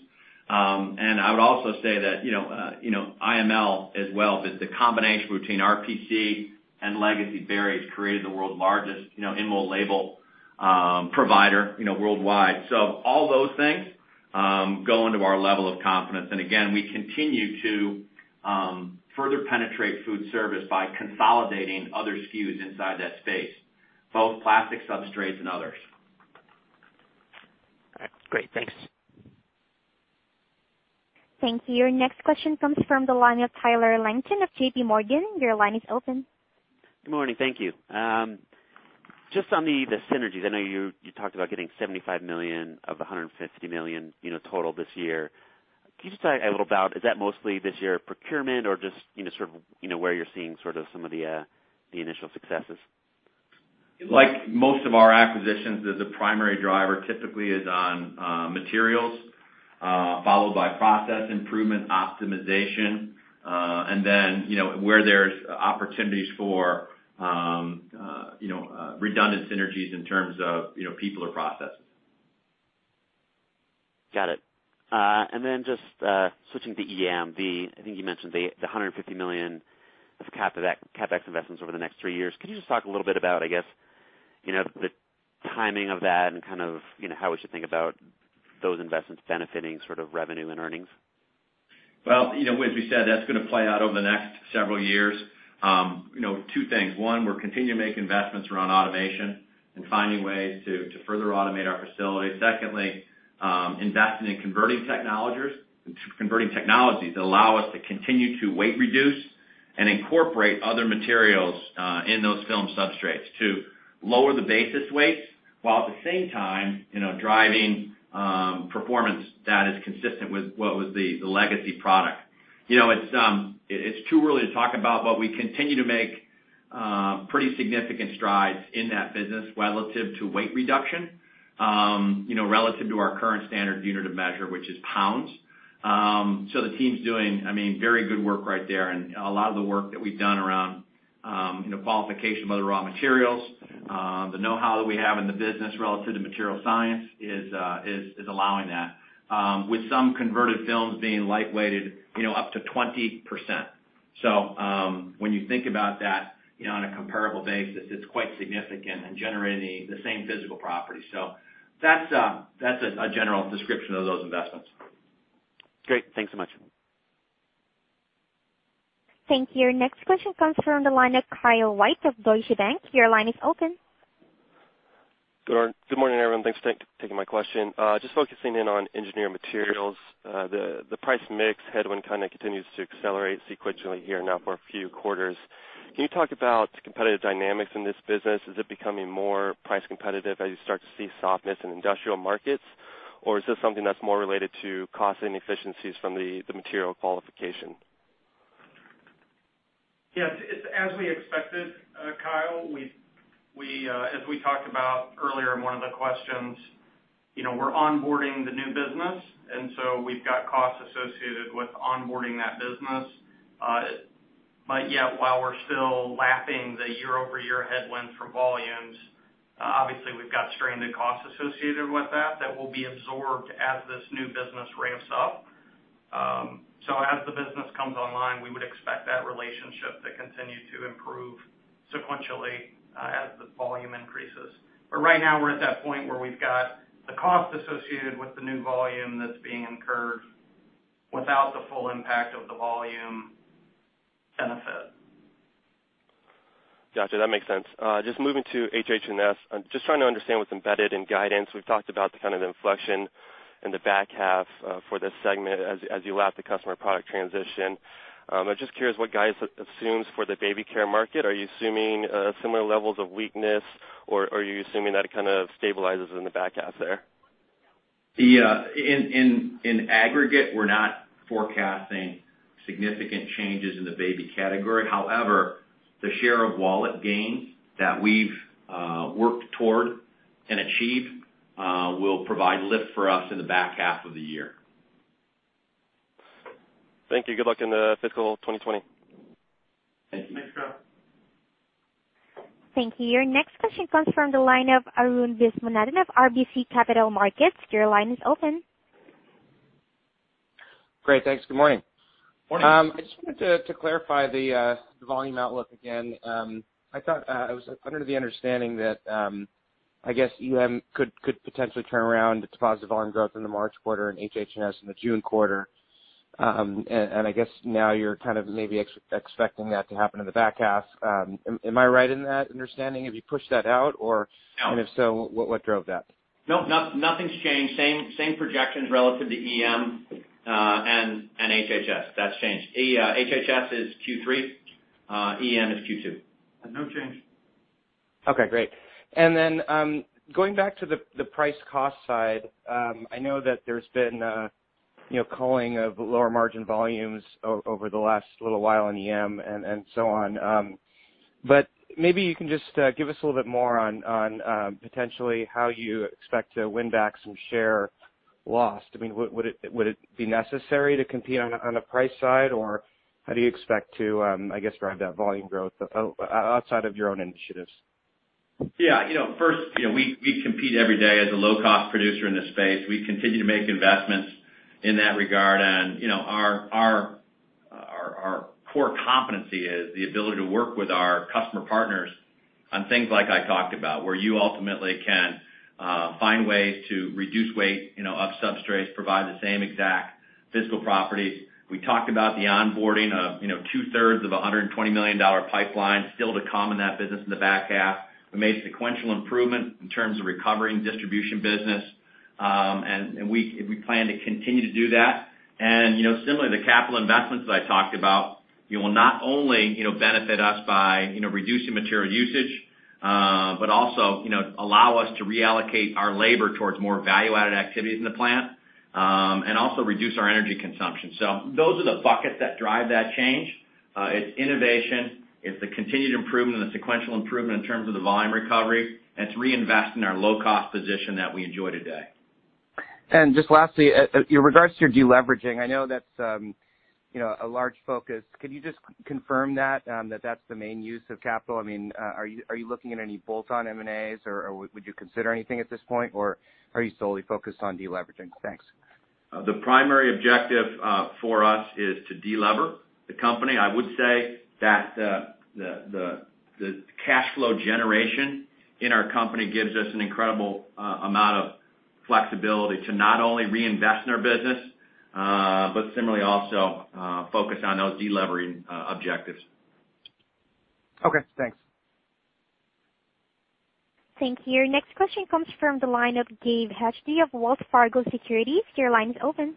I would also say that IML as well, because the combination between RPC and legacy Berry's created the world's largest in-mold label provider worldwide. All those things go into our level of confidence. Again, we continue to further penetrate food service by consolidating other SKUs inside that space, both plastic substrates and others. All right. Great, thanks. Thank you. Your next question comes from the line of Tyler Langton of JPMorgan. Your line is open. Good morning. Thank you. Just on the synergies, I know you talked about getting $75 million of the $150 million total this year. Can you just tell me a little about, is that mostly this year procurement or just where you're seeing sort of some of the initial successes? Like most of our acquisitions, the primary driver typically is on materials followed by process improvement optimization. Where there's opportunities for redundant synergies in terms of people or processes. Got it. Just switching to EM, I think you mentioned the $150 million of CapEx investments over the next three years. Could you just talk a little bit about, I guess, the timing of that and kind of how we should think about those investments benefiting sort of revenue and earnings? Well, as we said, that's going to play out over the next several years. Two things. One, we're continuing to make investments around automation and finding ways to further automate our facilities. Secondly, investing in converting technologies that allow us to continue to weight reduce and incorporate other materials in those film substrates to lower the basis weights, while at the same time, driving performance that is consistent with what was the legacy product. It's too early to talk about. We continue to make pretty significant strides in that business relative to weight reduction, relative to our current standard unit of measure, which is pounds. The team's doing very good work right there, and a lot of the work that we've done around qualification of other raw materials, the knowhow that we have in the business relative to material science is allowing that. With some converted films being light-weighted up to 20%. When you think about that on a comparable basis, it's quite significant and generating the same physical property. That's a general description of those investments. Great. Thanks so much. Thank you. Your next question comes from the line of Kyle White of Deutsche Bank. Your line is open. Good morning, everyone. Thanks for taking my question. Just focusing in on Engineered Materials, the price mix headwind kind of continues to accelerate sequentially here now for a few quarters. Can you talk about competitive dynamics in this business? Is it becoming more price competitive as you start to see softness in industrial markets? Or is this something that's more related to cost and efficiencies from the material qualification? Yes. It's as we expected, Kyle, as we talked about earlier in one of the questions, we're onboarding the new business, and so we've got costs associated with onboarding that business. Yet, while we're still lapping the year-over-year headwinds from volumes. Obviously, we've got stranded costs associated with that will be absorbed as this new business ramps up. As the business comes online, we would expect that relationship to continue to improve sequentially as the volume increases. Right now, we're at that point where we've got the cost associated with the new volume that's being incurred without the full impact of the volume benefit. Got you. That makes sense. Just moving to HH&S, I'm just trying to understand what's embedded in guidance. We've talked about the kind of inflection in the back half for this segment as you lap the customer product transition. I'm just curious what guidance assumes for the baby care market. Are you assuming similar levels of weakness, or are you assuming that it kind of stabilizes in the back half there? In aggregate, we're not forecasting significant changes in the baby category. However, the share of wallet gains that we've worked toward and achieved will provide lift for us in the back half of the year. Thank you. Good luck in the fiscal 2020. Thank you. Thanks, Kyle. Thank you. Your next question comes from the line of Arun Viswanathan of RBC Capital Markets. Your line is open. Great. Thanks. Good morning. Morning. I just wanted to clarify the volume outlook again. I was under the understanding that, I guess, EM could potentially turn around its positive volume growth in the March quarter and HH&S in the June quarter. I guess now you're kind of maybe expecting that to happen in the back half. Am I right in that understanding? Have you pushed that out? No If so, what drove that? No, nothing's changed. Same projections relative to EM and HH&S. HH&S is Q3, EM is Q2. No change. Okay, great. Going back to the price cost side, I know that there's been culling of lower margin volumes over the last little while in EM and so on. Maybe you can just give us a little bit more on potentially how you expect to win back some share lost. Would it be necessary to compete on the price side, or how do you expect to, I guess, drive that volume growth outside of your own initiatives? First, we compete every day as a low-cost producer in this space. We continue to make investments in that regard, and our core competency is the ability to work with our customer partners on things like I talked about, where you ultimately can find ways to reduce weight of substrates, provide the same exact physical properties. We talked about the onboarding of 2/3 of $120 million pipeline still to come in that business in the back half. We made sequential improvement in terms of recovering distribution business. We plan to continue to do that. Similarly, the capital investments that I talked about will not only benefit us by reducing material usage, but also allow us to reallocate our labor towards more value-added activities in the plant, and also reduce our energy consumption. Those are the buckets that drive that change. It's innovation. It's the continued improvement and the sequential improvement in terms of the volume recovery. It's reinvesting our low-cost position that we enjoy today. Just lastly, in regards to your de-leveraging, I know that's a large focus. Could you just confirm that that's the main use of capital? Are you looking at any bolt-on M&As, or would you consider anything at this point, or are you solely focused on de-leveraging? Thanks. The primary objective for us is to de-lever the company. I would say that the cash flow generation in our company gives us an incredible amount of flexibility to not only reinvest in our business, but similarly also focus on those de-levering objectives. Okay, thanks. Thank you. Your next question comes from the line of Gabe Hajde of Wells Fargo Securities. Your line is open.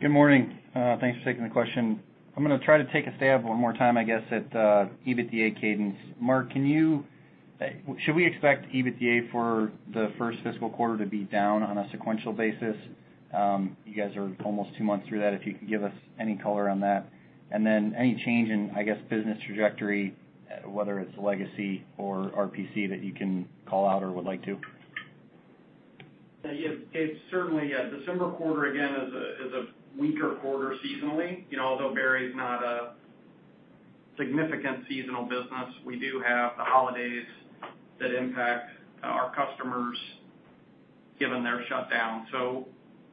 Good morning. Thanks for taking the question. I'm going to try to take a stab one more time, I guess, at the EBITDA cadence. Mark, should we expect EBITDA for the first fiscal quarter to be down on a sequential basis? You guys are almost two months through that, if you could give us any color on that. Any change in, I guess, business trajectory, whether it's legacy or RPC that you can call out or would like to? Yeah, Gabe. Certainly, yeah. December quarter, again, is a weaker quarter seasonally. Although Berry is not a significant seasonal business, we do have the holidays that impact our customers given their shutdown.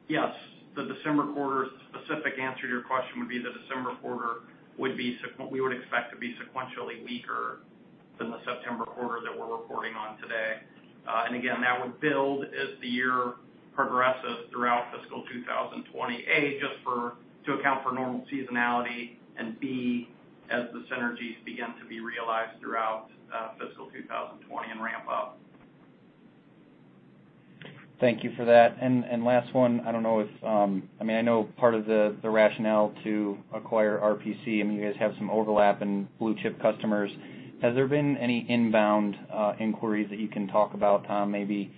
Yes, the December quarter specific answer to your question would be the December quarter we would expect to be sequentially weaker than the September quarter that we're reporting on today. Again, that would build as the year progresses throughout fiscal 2020, A, just to account for normal seasonality, and B, as the synergies begin to be realized throughout fiscal 2020 and ramp up. Thank you for that. Last one, I know part of the rationale to acquire RPC, you guys have some overlap in blue chip customers. Has there been any inbound inquiries that you can talk about, Tom, maybe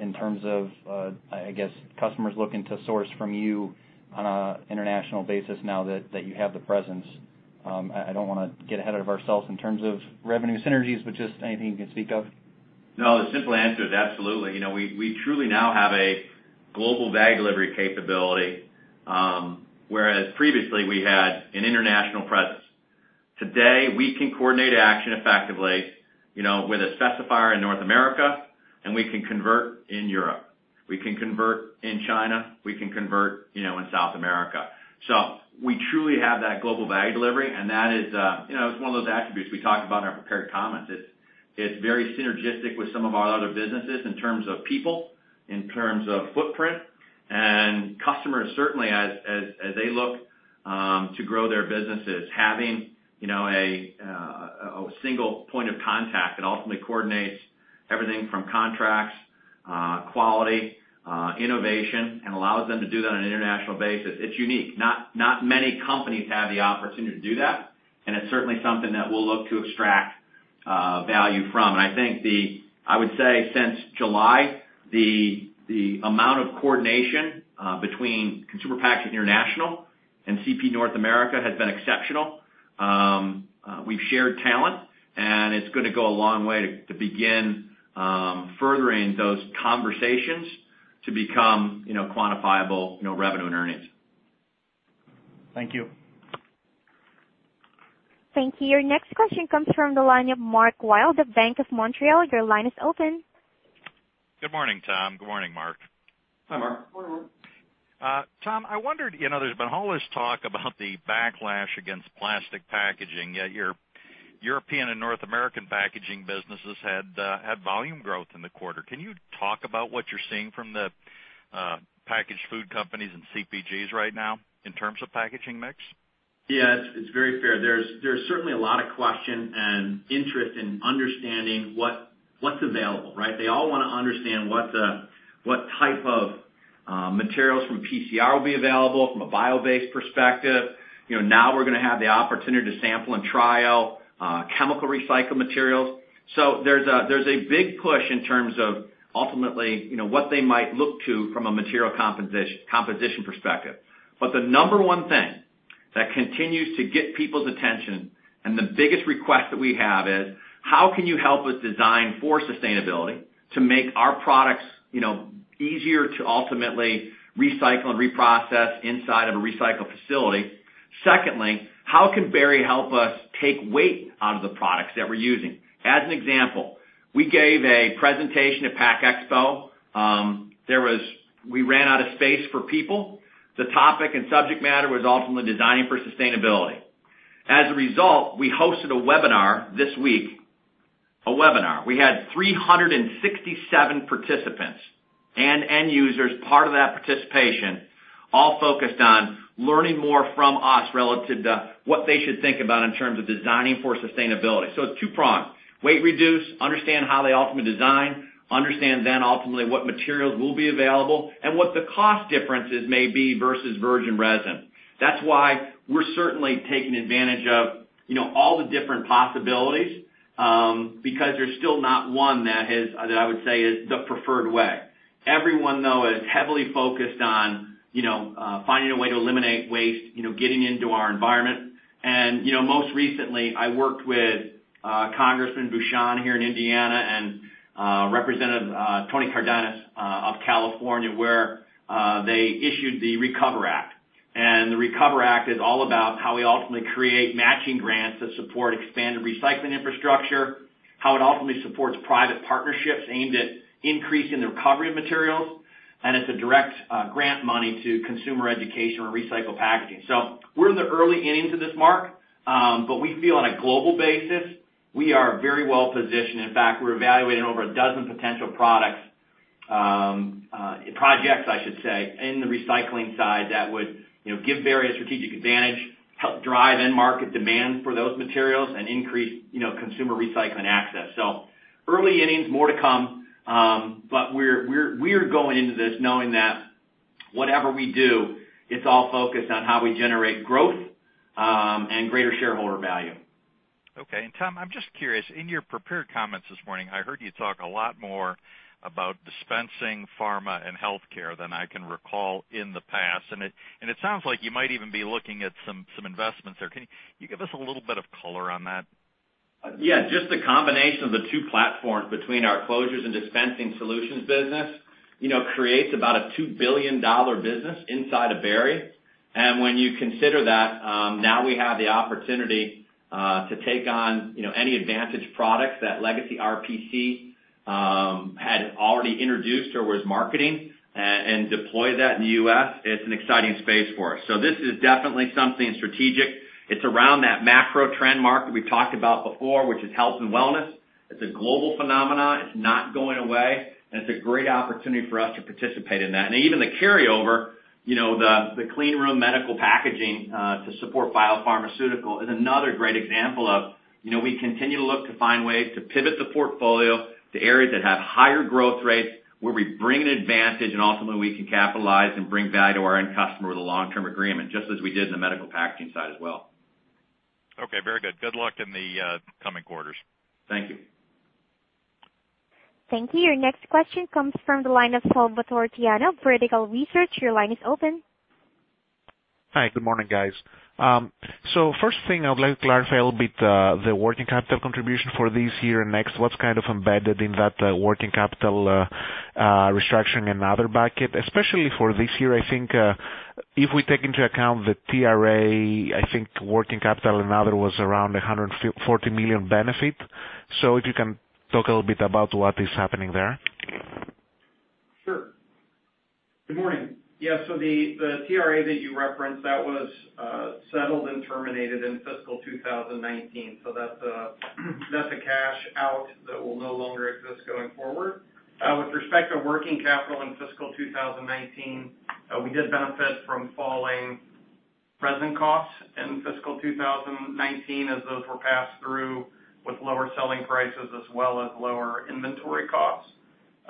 in terms of, I guess, customers looking to source from you on an international basis now that you have the presence? I don't want to get ahead of ourselves in terms of revenue synergies, but just anything you can speak of? No, the simple answer is absolutely. We truly now have a global value delivery capability, whereas previously we had an international presence. Today, we can coordinate action effectively with a specifier in North America. We can convert in Europe. We can convert in China. We can convert in South America. We truly have that global value delivery. That is one of those attributes we talked about in our prepared comments. It's very synergistic with some of our other businesses in terms of people, in terms of footprint. Customers certainly as they look to grow their businesses, having a single point of contact that ultimately coordinates everything from contracts, quality, innovation, and allows them to do that on an international basis. It's unique. Not many companies have the opportunity to do that. It's certainly something that we'll look to extract value from. I think, I would say since July, the amount of coordination between Consumer Packaging – International and CP North America has been exceptional. We've shared talent. It's going to go a long way to begin furthering those conversations to become quantifiable revenue and earnings. Thank you. Thank you. Your next question comes from the line of Mark Wilde, of Bank of Montreal. Your line is open. Good morning, Tom. Good morning, Mark. Hi, Mark. Good morning, Mark. Tom, I wondered, there's been all this talk about the backlash against plastic packaging, yet your European and North American packaging businesses had volume growth in the quarter. Can you talk about what you're seeing from the packaged food companies and CPGs right now in terms of packaging mix? Yeah, it's very fair. There's certainly a lot of question and interest in understanding what's available, right? They all want to understand what type of materials from PCR will be available from a bio-based perspective. Now we're going to have the opportunity to sample and trial chemical recycled materials. There's a big push in terms of ultimately what they might look to from a material composition perspective. The number one thing that continues to get people's attention, and the biggest request that we have is, how can you help us design for sustainability to make our products easier to ultimately recycle and reprocess inside of a recycle facility? Secondly, how can Berry help us take weight out of the products that we're using? As an example, we gave a presentation at PACK EXPO. We ran out of space for people. The topic and subject matter was ultimately designing for sustainability. As a result, we hosted a webinar this week. A webinar. We had 367 participants and end users, part of that participation, all focused on learning more from us relative to what they should think about in terms of designing for sustainability. It's two-pronged. Weight reduce, understand how they ultimately design, understand ultimately what materials will be available, and what the cost differences may be versus virgin resin. That's why we're certainly taking advantage of all the different possibilities, because there's still not one that I would say is the preferred way. Everyone, though, is heavily focused on finding a way to eliminate waste getting into our environment. Most recently, I worked with Congressman Bucshon here in Indiana and Representative Tony Cárdenas of California, where they issued the RECOVER Act. The RECOVER Act is all about how we ultimately create matching grants that support expanded recycling infrastructure, how it ultimately supports private partnerships aimed at increasing the recovery of materials, and it's a direct grant money to consumer education around recycled packaging. We're in the early innings of this, Mark, we feel on a global basis, we are very well positioned. In fact, we're evaluating over 12 potential products, projects, I should say, in the recycling side that would give Berry a strategic advantage, help drive end market demand for those materials, and increase consumer recycling access. Early innings, more to come. We're going into this knowing that whatever we do, it's all focused on how we generate growth and greater shareholder value. Okay. Tom, I'm just curious, in your prepared comments this morning, I heard you talk a lot more about dispensing pharma and healthcare than I can recall in the past. It sounds like you might even be looking at some investments there. Can you give us a little bit of color on that? Yeah, just the combination of the two platforms between our closures and dispensing solutions business creates about a $2 billion business inside of Berry. When you consider that, now we have the opportunity to take on any advantage products that legacy RPC had already introduced or was marketing, and deploy that in the U.S. It's an exciting space for us. This is definitely something strategic. It's around that macro trend, Mark, that we've talked about before, which is health and wellness. It's a global phenomenon. It's not going away. It's a great opportunity for us to participate in that. Even the carryover, the clean room medical packaging to support biopharmaceutical is another great example of we continue to look to find ways to pivot the portfolio to areas that have higher growth rates, where we bring an advantage, and ultimately we can capitalize and bring value to our end customer with a long-term agreement, just as we did in the medical packaging side as well. Okay. Very good. Good luck in the coming quarters. Thank you. Thank you. Your next question comes from the line of Salvator Tiano, Vertical Research. Your line is open. Hi, good morning, guys. First thing I would like to clarify a little bit, the working capital contribution for this year and next, what's kind of embedded in that working capital restructuring and other bucket. Especially for this year, I think, if we take into account the TRA, I think working capital and other was around $140 million benefit. If you can talk a little bit about what is happening there. Sure. Good morning. The TRA that you referenced, that was settled and terminated in fiscal 2019. That's a cash out that will no longer exist going forward. With respect to working capital in fiscal 2019, we did benefit from falling resin costs in fiscal 2019 as those were passed through with lower selling prices as well as lower inventory costs.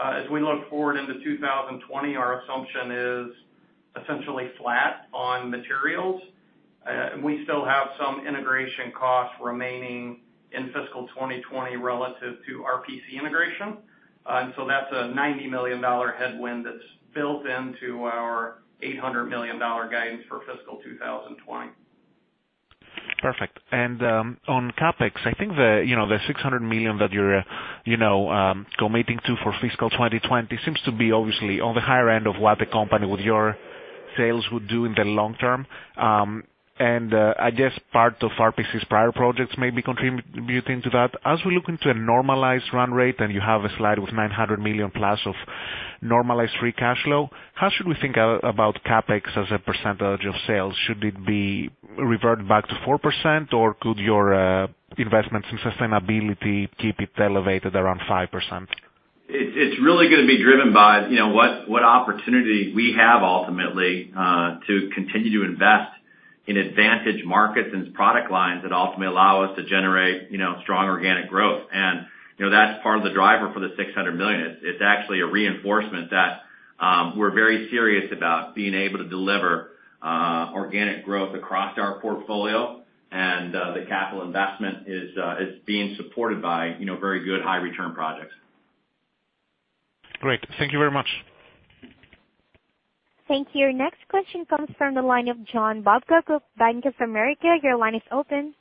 As we look forward into 2020, our assumption is essentially flat on materials. We still have some integration costs remaining in fiscal 2020 relative to RPC integration. That's a $90 million headwind that's built into our $800 million guidance for fiscal 2020. Perfect. On CapEx, I think the $600 million that you're committing to for fiscal 2020 seems to be obviously on the higher end of what the company with your sales would do in the long term. I guess part of RPC's prior projects may be contributing to that. As we look into a normalized run rate and you have a slide with $900 million+ of normalized free cash flow, how should we think about CapEx as a percentage of sales? Should it be reverted back to 4% or could your investments in sustainability keep it elevated around 5%? It's really going to be driven by what opportunity we have ultimately to continue to invest in advantage markets and product lines that ultimately allow us to generate strong organic growth. That's part of the driver for the $600 million. It's actually a reinforcement that we're very serious about being able to deliver organic growth across our portfolio and the capital investment is being supported by very good high return projects. Great. Thank you very much. Thank you. Your next question comes from the line of John Babcock of Bank of America. Your line is open.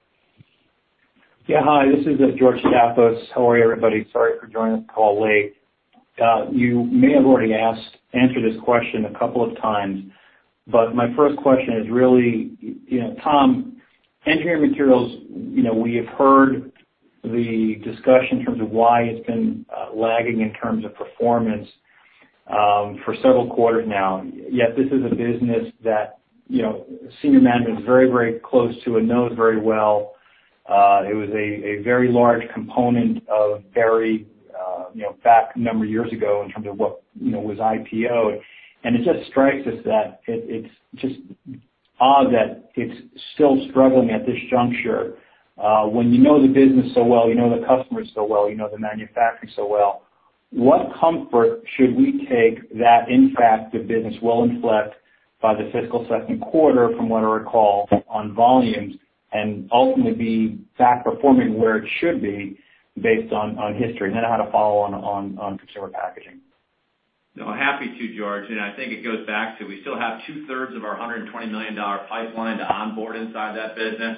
Hi, this is George Staphos. How are you, everybody? Sorry for joining the call late. You may have already answered this question a couple of times, my first question is really, Tom, Engineered Materials, we have heard the discussion in terms of why it's been lagging in terms of performance for several quarters now. This is a business that senior management is very close to and knows very well. It was a very large component of Berry back a number of years ago in terms of what was IPO. It just strikes us that it's just odd that it's still struggling at this juncture. When you know the business so well, you know the customers so well, you know the manufacturing so well, what comfort should we take that in fact the business will inflect by the fiscal second quarter, from what I recall on volumes, and ultimately be back performing where it should be based on history? I had a follow on consumer packaging. No, happy to George. I think it goes back to we still have 2/3 of our $120 million pipeline to onboard inside that business.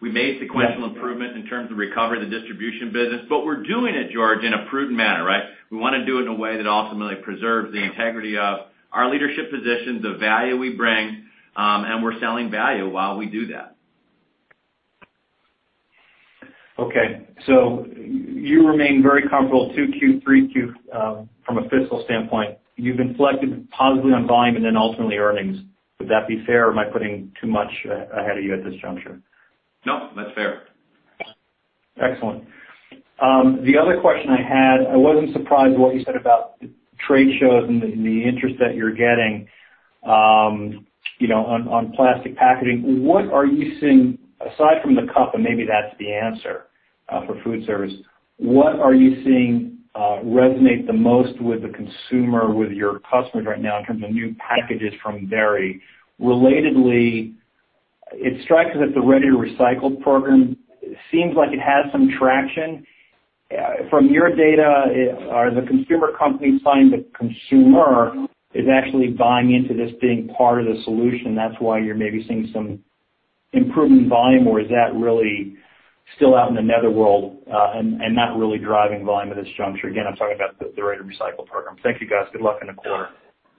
We made sequential improvement in terms of recovery of the distribution business. We're doing it, George, in a prudent manner, right? We want to do it in a way that ultimately preserves the integrity of our leadership positions, the value we bring, and we're selling value while we do that. Okay. You remain very comfortable, 2Q, 3Q, from a fiscal standpoint. You've inflected positively on volume and then ultimately earnings. Would that be fair or am I putting too much ahead of you at this juncture? No, that's fair. Excellent. The other question I had, I wasn't surprised what you said about trade shows and the interest that you're getting on plastic packaging. Aside from the cup, and maybe that's the answer for food service, what are you seeing resonate the most with the consumer, with your customers right now in terms of new packages from Berry? Relatedly, it strikes us that the Ready to Recycle program seems like it has some traction. From your data, are the consumer companies finding the consumer is actually buying into this being part of the solution, that's why you're maybe seeing some improvement in volume? Or is that really still out in the nether world and not really driving volume at this juncture? Again, I'm talking about the Ready to Recycle program. Thank you, guys. Good luck in the quarter.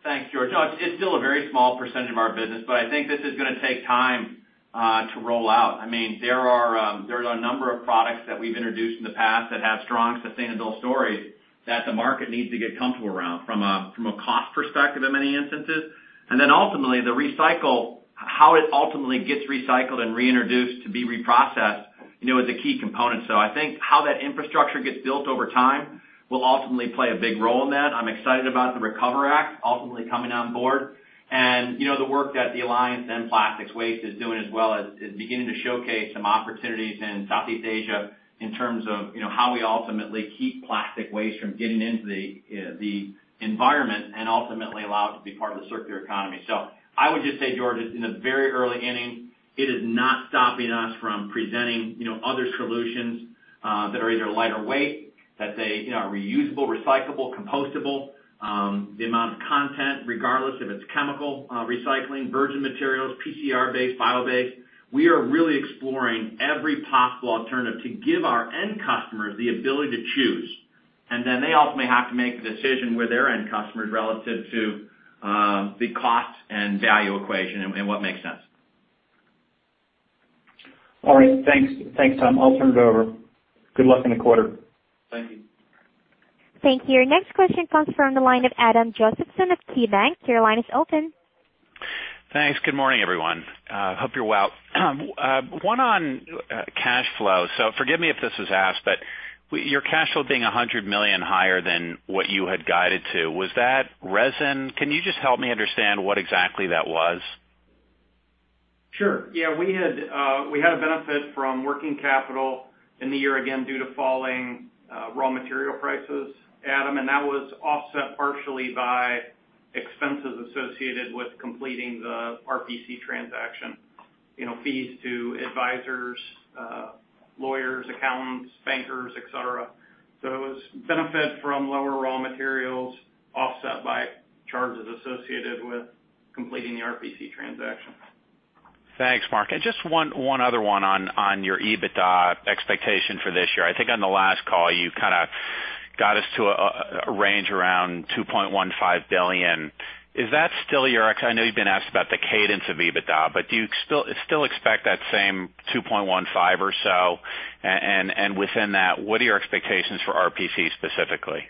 Thanks, George. It's still a very small percentage of our business, but I think this is gonna take time to roll out. There are a number of products that we've introduced in the past that have strong sustainable stories that the market needs to get comfortable around from a cost perspective in many instances. Ultimately the recycle, how it ultimately gets recycled and reintroduced to be reprocessed, is a key component. I think how that infrastructure gets built over time will ultimately play a big role in that. I'm excited about the RECOVER Act ultimately coming on board. The work that the Alliance to End Plastic Waste is doing as well is beginning to showcase some opportunities in Southeast Asia in terms of how we ultimately keep plastic waste from getting into the environment and ultimately allow it to be part of the circular economy. I would just say, George, it's in the very early innings. It is not stopping us from presenting other solutions that are either lighter weight, that they are reusable, recyclable, compostable. The amount of content, regardless if it's chemical recycling, virgin materials, PCR-based, bio-based, we are really exploring every possible alternative to give our end customers the ability to choose. Then they ultimately have to make the decision with their end customers relative to the cost and value equation and what makes sense. All right. Thanks, Tom. I'll turn it over. Good luck in the quarter. Thank you. Thank you. Your next question comes from the line of Adam Josephson of KeyBanc. Your line is open. Thanks. Good morning, everyone. Hope you're well. One on cash flow. Forgive me if this was asked, but your cash flow being $100 million higher than what you had guided to, was that resin? Can you just help me understand what exactly that was? Sure. Yeah, we had a benefit from working capital in the year, again, due to falling raw material prices, Adam. That was offset partially by expenses associated with completing the RPC transaction. Fees to advisors, lawyers, accountants, bankers, et cetera. It was benefit from lower raw materials offset by charges associated with completing the RPC transaction. Thanks, Mark. Just one other one on your EBITDA expectation for this year. I think on the last call, you kind of got us to a range around $2.15 billion. I know you've been asked about the cadence of EBITDA, do you still expect that same $2.15 or so? Within that, what are your expectations for RPC specifically?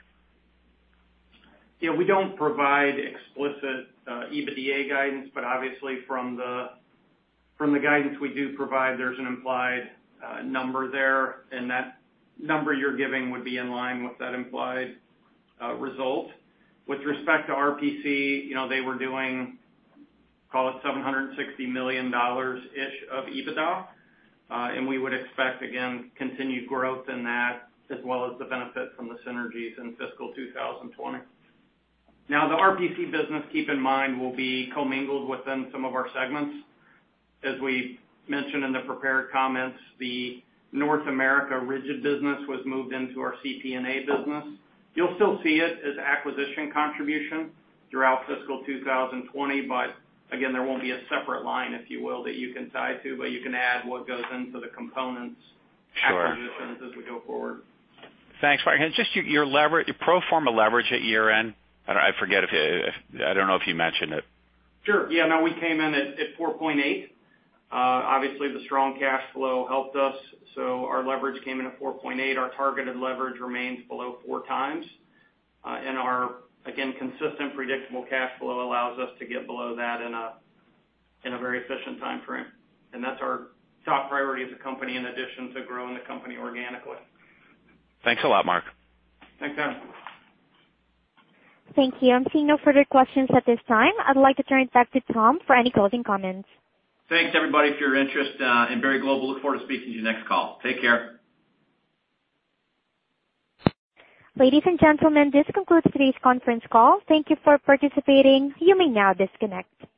We don't provide explicit EBITDA guidance, but obviously from the guidance we do provide, there's an implied number there, and that number you're giving would be in line with that implied result. With respect to RPC, they were doing, call it $760 million-ish of EBITDA. We would expect, again, continued growth in that, as well as the benefit from the synergies in fiscal 2020. The RPC business, keep in mind, will be commingled within some of our segments. As we mentioned in the prepared comments, the North America rigid business was moved into our CPNA business. You'll still see it as acquisition contribution throughout fiscal 2020, but again, there won't be a separate line, if you will, that you can tie to, but you can add what goes into the components. Sure. Acquisitions as we go forward. Thanks, Mark. Just your pro forma leverage at year-end. I don't know if you mentioned it. Sure. Yeah, no, we came in at 4.8. Obviously, the strong cash flow helped us, so our leverage came in at 4.8. Our targeted leverage remains below 4x. Our, again, consistent predictable cash flow allows us to get below that in a very efficient time frame. That's our top priority as a company, in addition to growing the company organically. Thanks a lot, Mark. Thanks, Adam. Thank you. I'm seeing no further questions at this time. I'd like to turn it back to Tom for any closing comments. Thanks, everybody, for your interest in Berry Global. Look forward to speaking to you next call. Take care. Ladies and gentlemen, this concludes today's conference call. Thank you for participating. You may now disconnect.